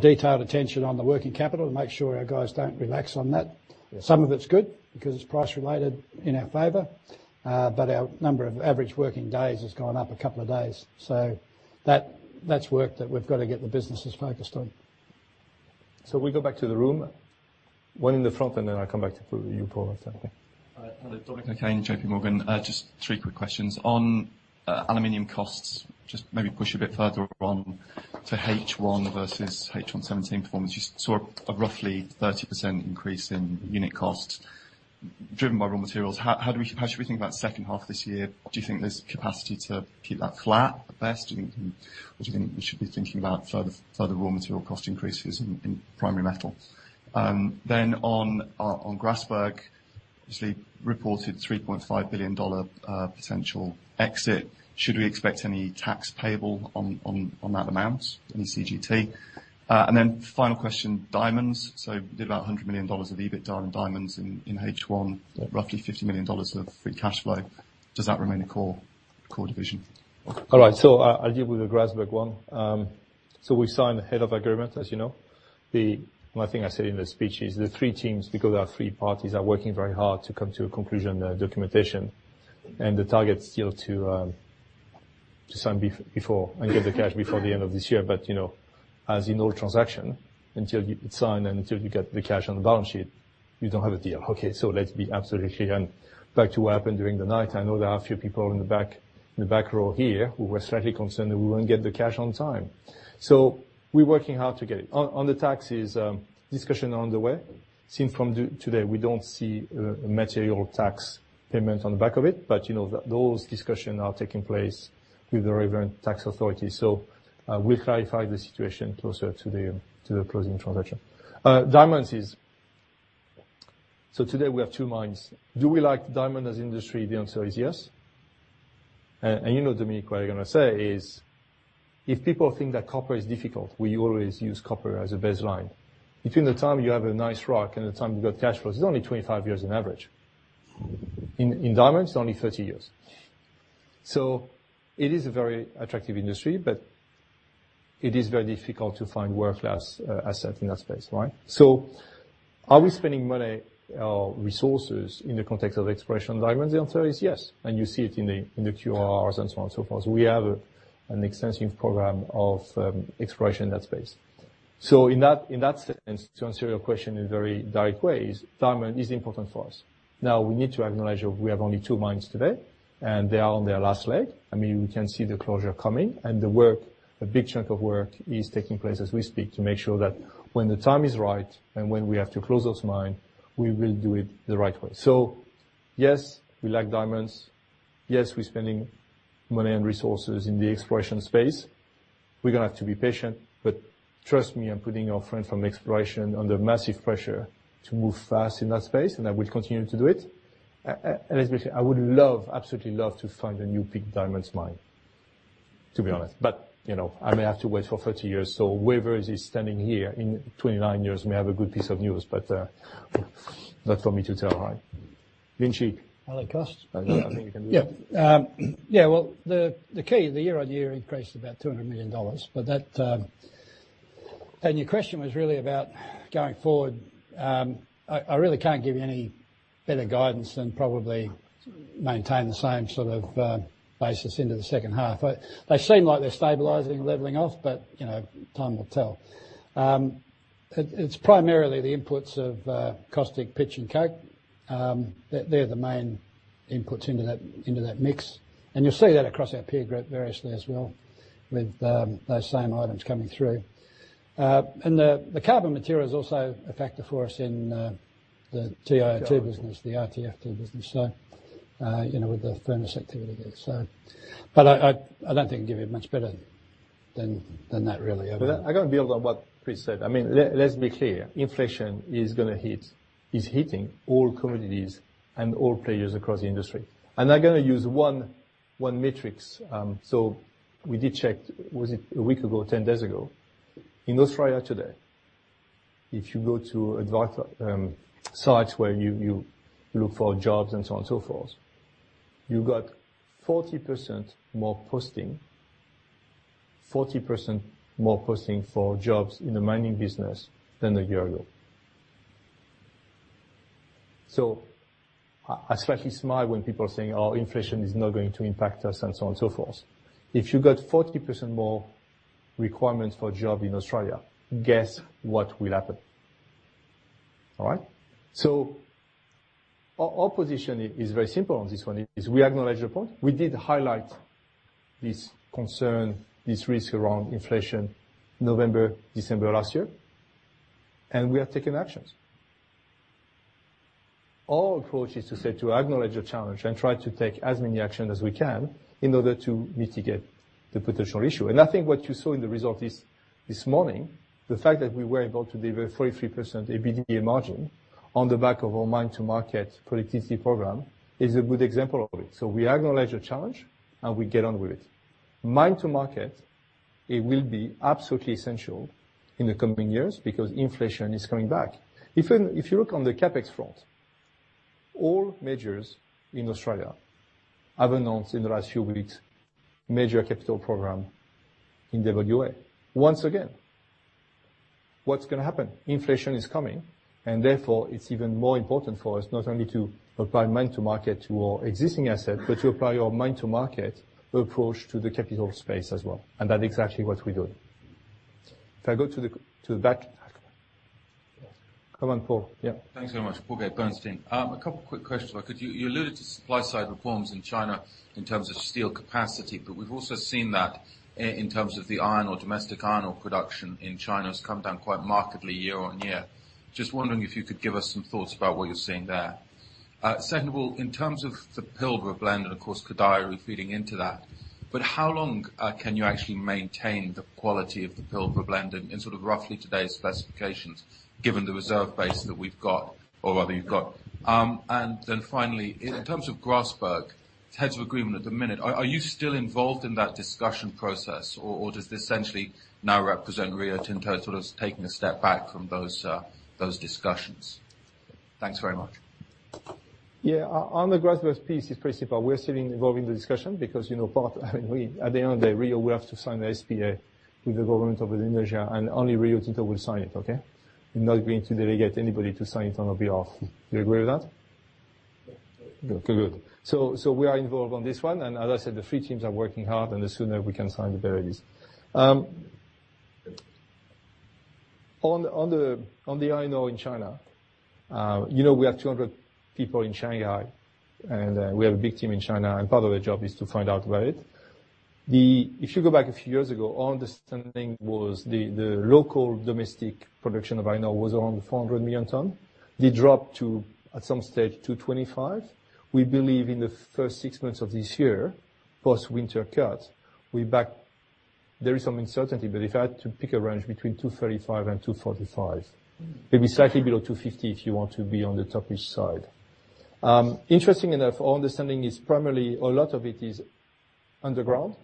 detailed attention on the working capital to make sure our guys don't relax on that. Yeah. Some of it's good because it's price related in our favor. Our number of average working days has gone up a couple of days. That's work that we've got to get the businesses focused on. We go back to the room. One in the front, then I come back to you, Paul. Hi. Dominic O'Kane, JP Morgan. Just three quick questions. On aluminum costs, just maybe push a bit further on to H1 versus H1 2017 performance. You saw a roughly 30% increase in unit cost driven by raw materials. How should we think about second half this year? Do you think there's capacity to keep that flat at best? Do you think we should be thinking about further raw material cost increases in primary metal? On Grasberg, obviously reported $3.5 billion potential exit. Should we expect any tax payable on that amount in CGT? Then final question, diamonds. Did about $100 million of EBITDA in diamonds in H1, roughly $50 million of free cash flow. Does that remain a core division? All right. I'll deal with the Grasberg one. We've signed a head of agreement, as you know. The one thing I said in the speech is the three teams, because there are three parties, are working very hard to come to a conclusion documentation. The target is still to sign before and get the cash before the end of this year. As you know, a transaction, until you sign and until you get the cash on the balance sheet, you don't have a deal. Okay, let's be absolutely clear. Back to what happened during the night, I know there are a few people in the back row here who were slightly concerned that we won't get the cash on time. We're working hard to get it. On the taxes, discussion underway. Seen from today, we don't see a material tax payment on the back of it. Those discussions are taking place with the relevant tax authorities. We'll clarify the situation closer to the closing transaction. Diamonds today we have two mines. Do we like diamond as industry? The answer is yes. You know Dominic what I'm going to say is, if people think that copper is difficult, we always use copper as a baseline. Between the time you have a nice rock and the time you got cash flow is only 25 years on average. In diamonds, it's only 30 years. It is a very attractive industry, but it is very difficult to find world-class asset in that space, right? Are we spending money or resources in the context of exploration diamonds? The answer is yes. You see it in the QRs and so on and so forth. We have an extensive program of exploration in that space. In that sense, to answer your question in very direct ways, diamond is important for us. Now we need to acknowledge that we have only two mines today, and they are on their last leg. We can see the closure coming and the work, a big chunk of work is taking place as we speak to make sure that when the time is right and when we have to close those mine, we will do it the right way. Yes, we like diamonds. Yes, we're spending money and resources in the exploration space. We're going to have to be patient, but trust me, I'm putting our friend from exploration under massive pressure to move fast in that space, and I will continue to do it. As we say, I would love, absolutely love to find a new big diamonds mine, to be honest. I may have to wait for 30 years. Whoever is standing here in 29 years may have a good piece of news. Not for me to tell, right? Lynch. I like costs. I think you can do it. Yeah. Well, the key, the year-over-year increased about $200 million. Your question was really about going forward. I really can't give you any better guidance than probably maintain the same sort of basis into the second half. They seem like they're stabilizing and leveling off, but time will tell. It's primarily the inputs of caustic pitch and coke. They're the main inputs into that mix, and you'll see that across our peer group variously as well with those same items coming through. The carbon material is also a factor for us in the TiO2 business, the RTFT business. With the furnace activity there. I don't think I can give you much better than that really. I'm going to build on what Chris said. Let's be clear, inflation is hitting all commodities and all players across the industry. I'm going to use one matrix. We did check, was it a week ago, 10 days ago? In Australia today, if you go to advisor sites where you look for jobs and so on and so forth, you've got 40% more posting for jobs in the mining business than a year ago. I slightly smile when people are saying, "Oh, inflation is not going to impact us," and so on and so forth. If you got 40% more requirements for job in Australia, guess what will happen? All right. Our position is very simple on this one is we acknowledge the point. We did highlight this concern, this risk around inflation November, December last year. We have taken actions. Our approach is to acknowledge the challenge and try to take as many actions as we can in order to mitigate the potential issue. I think what you saw in the result this morning, the fact that we were able to deliver 43% EBITDA margin on the back of our mine-to-market productivity program is a good example of it. We acknowledge the challenge, and we get on with it. Mine-to-market, it will be absolutely essential in the coming years because inflation is coming back. If you look on the CapEx front, all majors in Australia have announced in the last few weeks major capital program in WA. Once again, what's going to happen? Inflation is coming, therefore, it's even more important for us not only to apply mine-to-market to our existing asset, but to apply our mine-to-market approach to the capital space as well. That is actually what we're doing. If I go to the back. Come on, Paul. Yeah. Thanks very much. Paul Gait, Bernstein. A couple quick questions. You alluded to supply-side reforms in China in terms of steel capacity, but we've also seen that in terms of the iron ore, domestic iron ore production in China has come down quite markedly year-on-year. Just wondering if you could give us some thoughts about what you're seeing there. Second of all, in terms of the Pilbara Blend, and of course Koodaideri feeding into that, but how long can you actually maintain the quality of the Pilbara Blend in sort of roughly today's specifications given the reserve base that we've got or rather you've got? Then finally, in terms of Grasberg, terms of agreement at the minute, are you still involved in that discussion process or does this essentially now represent Rio Tinto sort of taking a step back from those discussions? Thanks very much. Yeah, on the Grasberg piece is pretty simple. We're still involved in the discussion because, Paul, at the end of the day, Rio, we have to sign the SPA with the government of Indonesia, and only Rio Tinto will sign it, okay? I'm not going to delegate anybody to sign it on our behalf. Do you agree with that? Yes. Good. We are involved on this one, and as I said, the three teams are working hard, and the sooner we can sign, the better it is. On the iron ore in China. We have 200 people in Shanghai, and we have a big team in China, and part of their job is to find out about it. If you go back a few years ago, our understanding was the local domestic production of iron ore was around 400 million tons. They dropped to, at some stage, 225 million tons. We believe in the first six months of this year, post-winter cut, we're back. There is some uncertainty, but if I had to pick a range between 235 million tons and 245 million tons, maybe slightly below 250 million tons if you want to be on the toppish side. Interesting enough, our understanding is primarily a lot of it is underground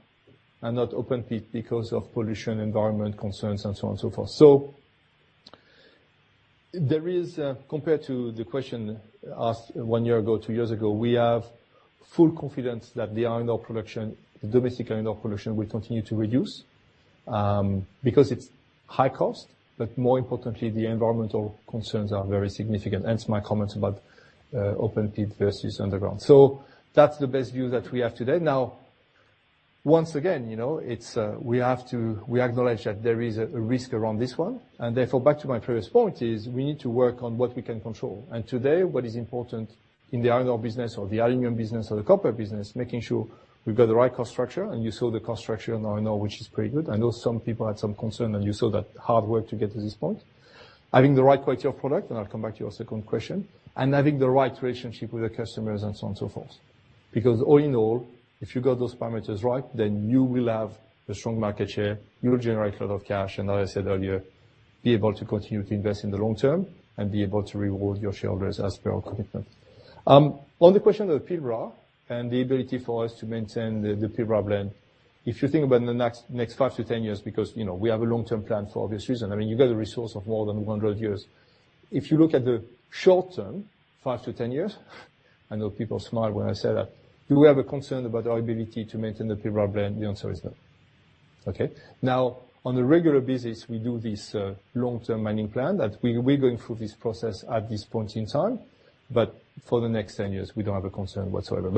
and not open pit because of pollution, environment concerns, and so on and so forth. There is, compared to the question asked one year ago, two years ago, we have full confidence that the iron ore production, the domestic iron ore production will continue to reduce, because it's high cost, but more importantly, the environmental concerns are very significant, hence my comments about open pit versus underground. That's the best view that we have today. Once again, we acknowledge that there is a risk around this one, and therefore, back to my previous point is we need to work on what we can control. Today, what is important in the iron ore business or the aluminum business or the copper business, making sure we've got the right cost structure, and you saw the cost structure now I know which is pretty good. I know some people had some concern, and you saw that hard work to get to this point. Having the right quality of product, and I'll come back to your second question, and having the right relationship with the customers, and so on and so forth. All in all, if you got those parameters right, then you will have a strong market share, you will generate a lot of cash, and as I said earlier, be able to continue to invest in the long term and be able to reward your shareholders as per our commitment. On the question of Pilbara and the ability for us to maintain the Pilbara Blend. If you think about in the next 5 to 10 years, because we have a long-term plan for obvious reasons. You got a resource of more than 100 years. If you look at the short term, 5 to 10 years- I know people smile when I say that. Do we have a concern about our ability to maintain the Pilbara Blend? The answer is no. Okay? On a regular basis, we do this long-term mining plan that we're going through this process at this point in time, but for the next 10 years, we don't have a concern whatsoever.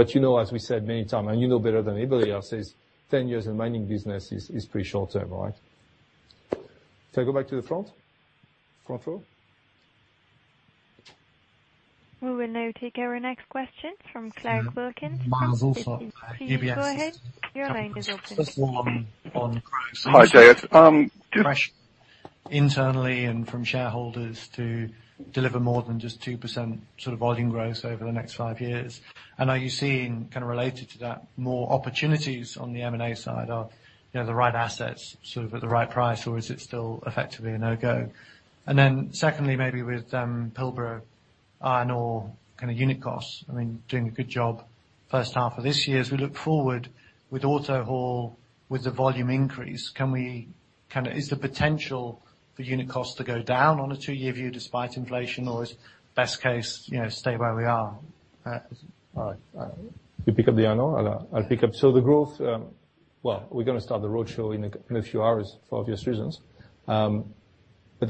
As we said many times, and you know better than anybody else, is 10 years in mining business is pretty short-term, right? Can I go back to the front? Front row. We will now take our next question from Clarke Wilkins. Mine is also- Please go ahead. Your line is open. <audio distortion> Just one on price. Hi, Jacques. Internally and from shareholders to deliver more than just 2% volume growth over the next five years. Are you seeing, related to that, more opportunities on the M&A side? Are the right assets at the right price, or is it still effectively a no-go? Secondly, maybe with Pilbara iron ore unit costs. Doing a good job first half of this year. As we look forward with AutoHaul, with the volume increase, is the potential for unit costs to go down on a two-year view despite inflation, or is best case, stay where we are? All right. You pick up the iron ore? I'll pick up. The growth, well, we're going to start the roadshow in a few hours for obvious reasons.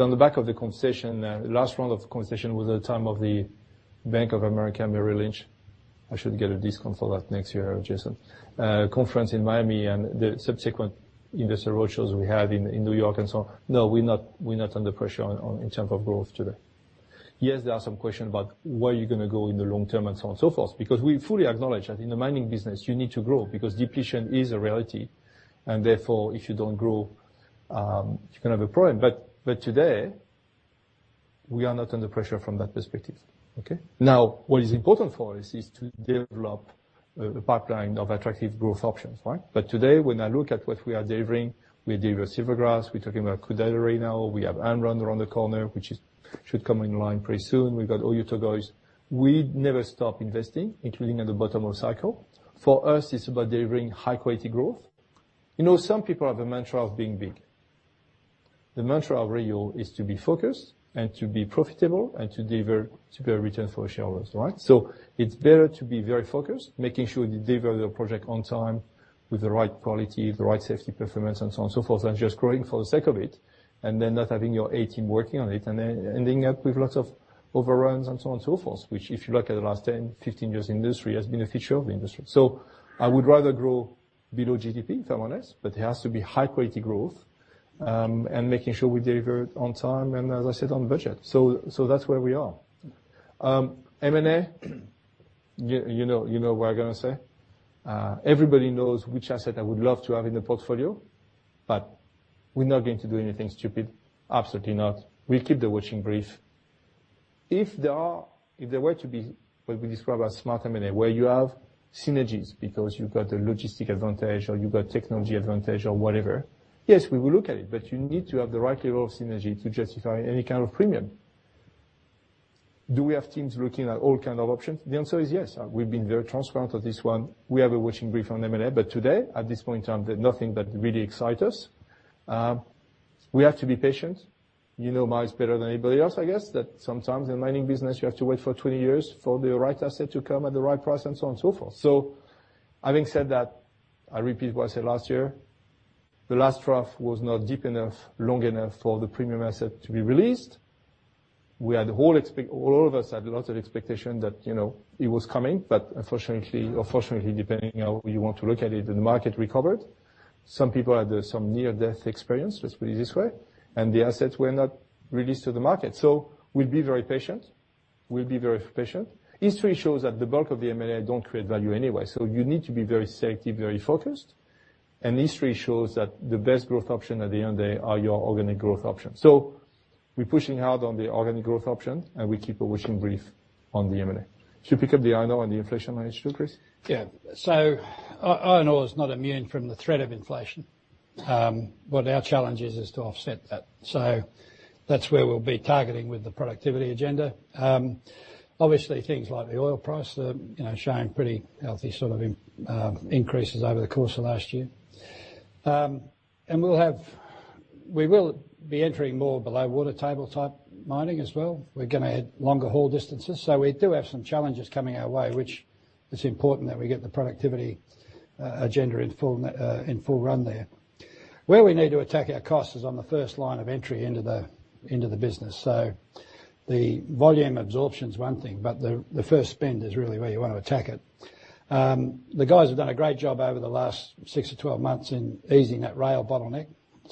On the back of the conversation, the last round of conversation was the time of the Bank of America Merrill Lynch. I should get a discount for that next year, Jason. Conference in Miami and the subsequent investor roadshows we have in New York and so on. No, we're not under pressure in terms of growth today. Yes, there are some questions about where you're going to go in the long term and so on and so forth. We fully acknowledge that in the mining business, you need to grow because depletion is a reality, and therefore, if you don't grow, you can have a problem. Today, we are not under pressure from that perspective. Okay? What is important for us is to develop a pipeline of attractive growth options. Right? Today, when I look at what we are delivering, we deliver Silvergrass, we're talking about Koodaideri now, we have Amrun around the corner, which should come in line pretty soon. We've got Oyu Tolgoi. We never stop investing, including at the bottom of cycle. For us, it's about delivering high-quality growth. Some people have a mantra of being big. The mantra of Rio is to be focused and to be profitable and to deliver superior return for our shareholders. Right? It's better to be very focused, making sure you deliver your project on time with the right quality, the right safety performance, and so on and so forth, than just growing for the sake of it, and then not having your A-team working on it, and then ending up with lots of overruns and so on and so forth, which, if you look at the last 10, 15 years industry, has been a feature of the industry. I would rather grow below GDP, if I'm honest, but it has to be high-quality growth, and making sure we deliver it on time, and as I said, on budget. That's where we are. M&A, you know what I'm going to say. Everybody knows which asset I would love to have in the portfolio, but we're not going to do anything stupid. Absolutely not. We'll keep the watching brief. If there were to be what we describe as smart M&A, where you have synergies because you've got a logistic advantage or you've got technology advantage or whatever, yes, we will look at it, but you need to have the right level of synergy to justify any kind of premium. Do we have teams looking at all kind of options? The answer is yes. We've been very transparent on this one. We have a watching brief on M&A, but today, at this point in time, there's nothing that really excite us. We have to be patient. You know mine's better than anybody else, I guess. That sometimes in mining business, you have to wait for 20 years for the right asset to come at the right price, and so on and so forth. Having said that, I repeat what I said last year. The last trough was not deep enough, long enough for the premium asset to be released. All of us had lots of expectation that it was coming, but unfortunately or fortunately, depending on how you want to look at it, the market recovered. Some people had some near-death experience, let's put it this way, and the assets were not released to the market. We'll be very patient. History shows that the bulk of the M&A don't create value anyway. You need to be very selective, very focused. History shows that the best growth option at the end of day are your organic growth options. We're pushing hard on the organic growth option, and we keep a watching brief on the M&A. Do you pick up the iron ore and the inflation issue, Chris? Yeah. Iron ore is not immune from the threat of inflation. What our challenge is to offset that. That's where we'll be targeting with the productivity agenda. Obviously, things like the oil price are showing pretty healthy sort of increases over the course of last year. We will be entering more below water table-type mining as well. We're going to add longer haul distances. We do have some challenges coming our way, which it's important that we get the productivity agenda in full run there. Where we need to attack our costs is on the first line of entry into the business. The volume absorption is one thing, but the first spend is really where you want to attack it. The guys have done a great job over the last 6 to 12 months in easing that rail bottleneck.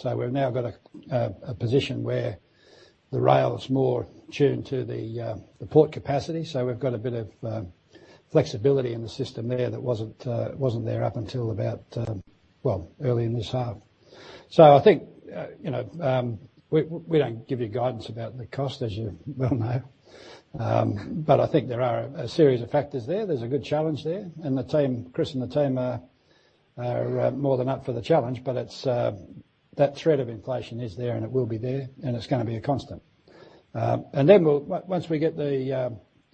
We've now got a position where the rail is more tuned to the port capacity. We've got a bit of flexibility in the system there that wasn't there up until about, well, early in this half. I think, we don't give you guidance about the cost, as you well know. I think there are a series of factors there. There's a good challenge there, and the team, Chris and the team are more than up for the challenge, that threat of inflation is there and it will be there, and it's going to be a constant. Once we get the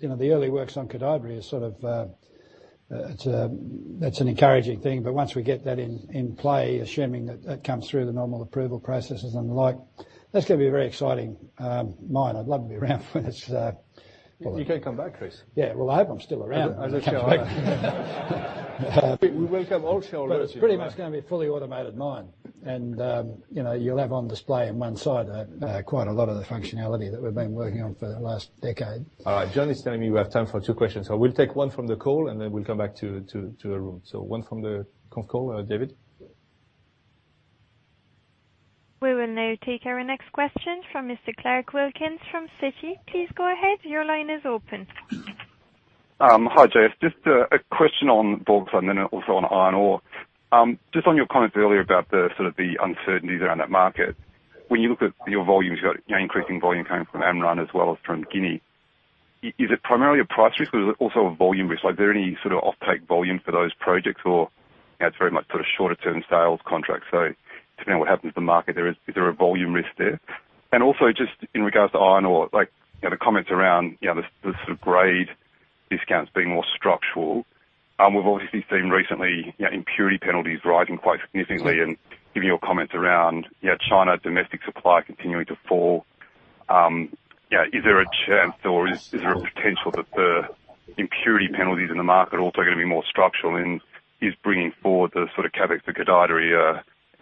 early works on Koodaideri. That's an encouraging thing. Once we get that in play, assuming that that comes through the normal approval processes and the like, that's going to be a very exciting mine. I'd love to be around when it's. You can come back, Chris. Yeah. Well, I hope I'm still around as a shareholder. We welcome all shareholders. It's pretty much going to be a fully automated mine, and you'll have on display in one side quite a lot of the functionality that we've been working on for the last decade. All right. John is telling me we have time for two questions. We'll take one from the call, and then we'll come back to the room. One from the conf call. David? We will now take our next question from Mr. Clarke Wilkins from Citi. Please go ahead. Your line is open. Hi, J.S. A question on bulk side, also on iron ore. On your comments earlier about the uncertainties around that market. When you look at your volumes, you've got increasing volume coming from Amrun as well as from Guinea. Is it primarily a price risk or is it also a volume risk? Are there any offtake volume for those projects? It's very much shorter-term sales contracts. Depending on what happens to the market, is there a volume risk there? In regards to iron ore, the comments around grade discounts being more structural. We've obviously seen recently impurity penalties rising quite significantly, given your comments around China domestic supply continuing to fall, is there a chance or is there a potential that the impurity penalties in the market are also going to be more structural? Is bringing forward CAPEX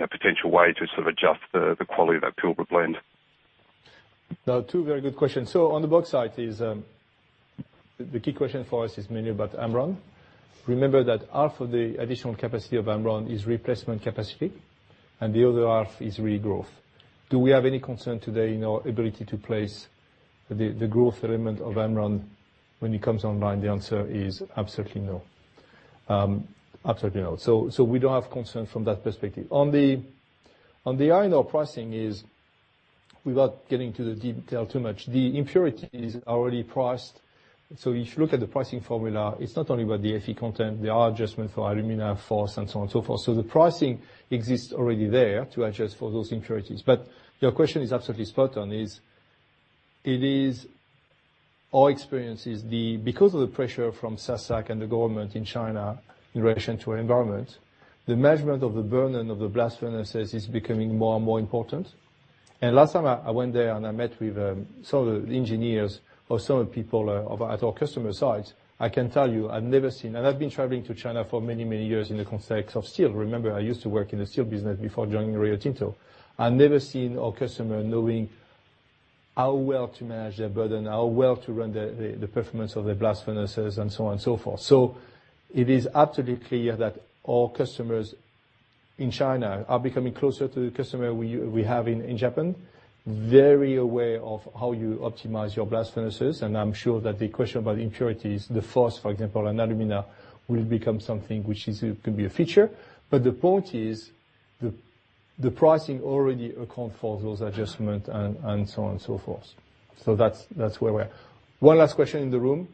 a potential way to adjust the quality of that Pilbara Blend? Two very good questions. On the bulk side, the key question for us is mainly about Amrun. Remember that half of the additional capacity of Amrun is replacement capacity, the other half is regrowth. Do we have any concern today in our ability to place the growth element of Amrun when it comes online? The answer is absolutely no. We don't have concerns from that perspective. On the iron ore pricing is, without getting into the detail too much, the impurities are already priced. If you look at the pricing formula, it's not only about the Fe content. There are adjustments for alumina, phos, and so on and so forth. The pricing exists already there to adjust for those impurities. Your question is absolutely spot on, our experience is because of the pressure from SASAC and the government in China in relation to environment, the management of the burden of the blast furnaces is becoming more and more important. Last time I went there, I met with some of the engineers or some of the people at our customer site, I can tell you I've never seen, and I've been traveling to China for many, many years in the context of steel. Remember, I used to work in the steel business before joining Rio Tinto. I've never seen our customer knowing how well to manage their burden, how well to run the performance of their blast furnaces, and so on and so forth. It is absolutely clear that our customers in China are becoming closer to the customer we have in Japan. Very aware of how you optimize your blast furnaces, I'm sure that the question about impurities, the phos, for example, and alumina, will become something which can be a feature. The point is, the pricing already accounts for those adjustments, and so on and so forth. That's where we are. One last question in the room,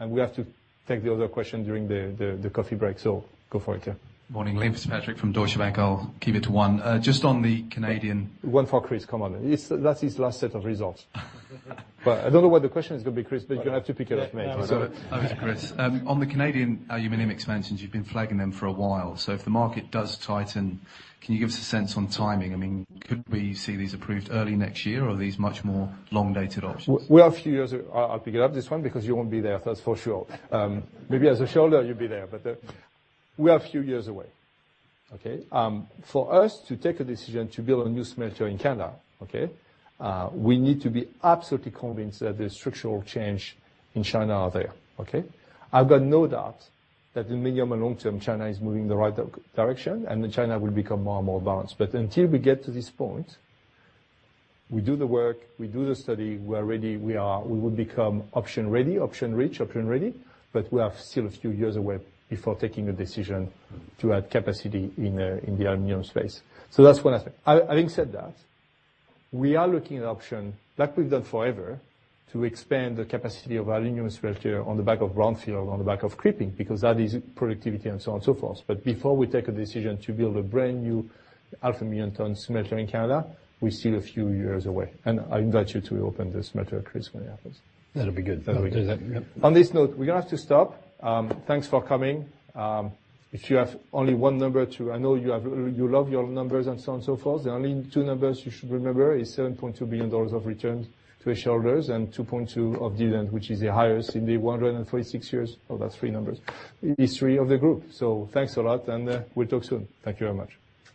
we have to take the other question during the coffee break. Go for it. Morning. Liam Fitzpatrick from Deutsche Bank. I'll keep it to one. Just on the Canadian- One for Chris. Come on. That's his last set of results. I don't know what the question is going to be, Chris, you have to pick it up mate. Over to Chris. On the Canadian aluminum expansions, you've been flagging them for a while. If the market does tighten, can you give us a sense on timing? Could we see these approved early next year, or are these much more long-dated options? We are a few years. I'll pick it up, this one, because you won't be there, that's for sure. Maybe as a shareholder you'll be there, but we are a few years away. Okay? For us to take a decision to build a new smelter in Canada, okay, we need to be absolutely convinced that the structural change in China are there. Okay? I've got no doubt that in medium and long-term, China is moving in the right direction. China will become more and more balanced. Until we get to this point, we do the work, we do the study, we're ready. We will become option ready, option rich, option ready. We are still a few years away before taking a decision to add capacity in the aluminum space. That's one aspect. Having said that, we are looking at option, like we've done forever, to expand the capacity of our aluminum smelter on the back of brownfield, on the back of creeping, because that is productivity and so on and so forth. Before we take a decision to build a brand-new half a million ton smelter in Canada, we're still a few years away. I invite you to open the smelter, Chris, when it happens. That'll be good. On this note, we're going to have to stop. Thanks for coming. I know you love your numbers and so on and so forth. The only two numbers you should remember is $7.2 billion of return to our shareholders and $2.2 of dividend, which is the highest in the 146 years. Oh, that's three numbers. History of the group. Thanks a lot. We'll talk soon. Thank you very much.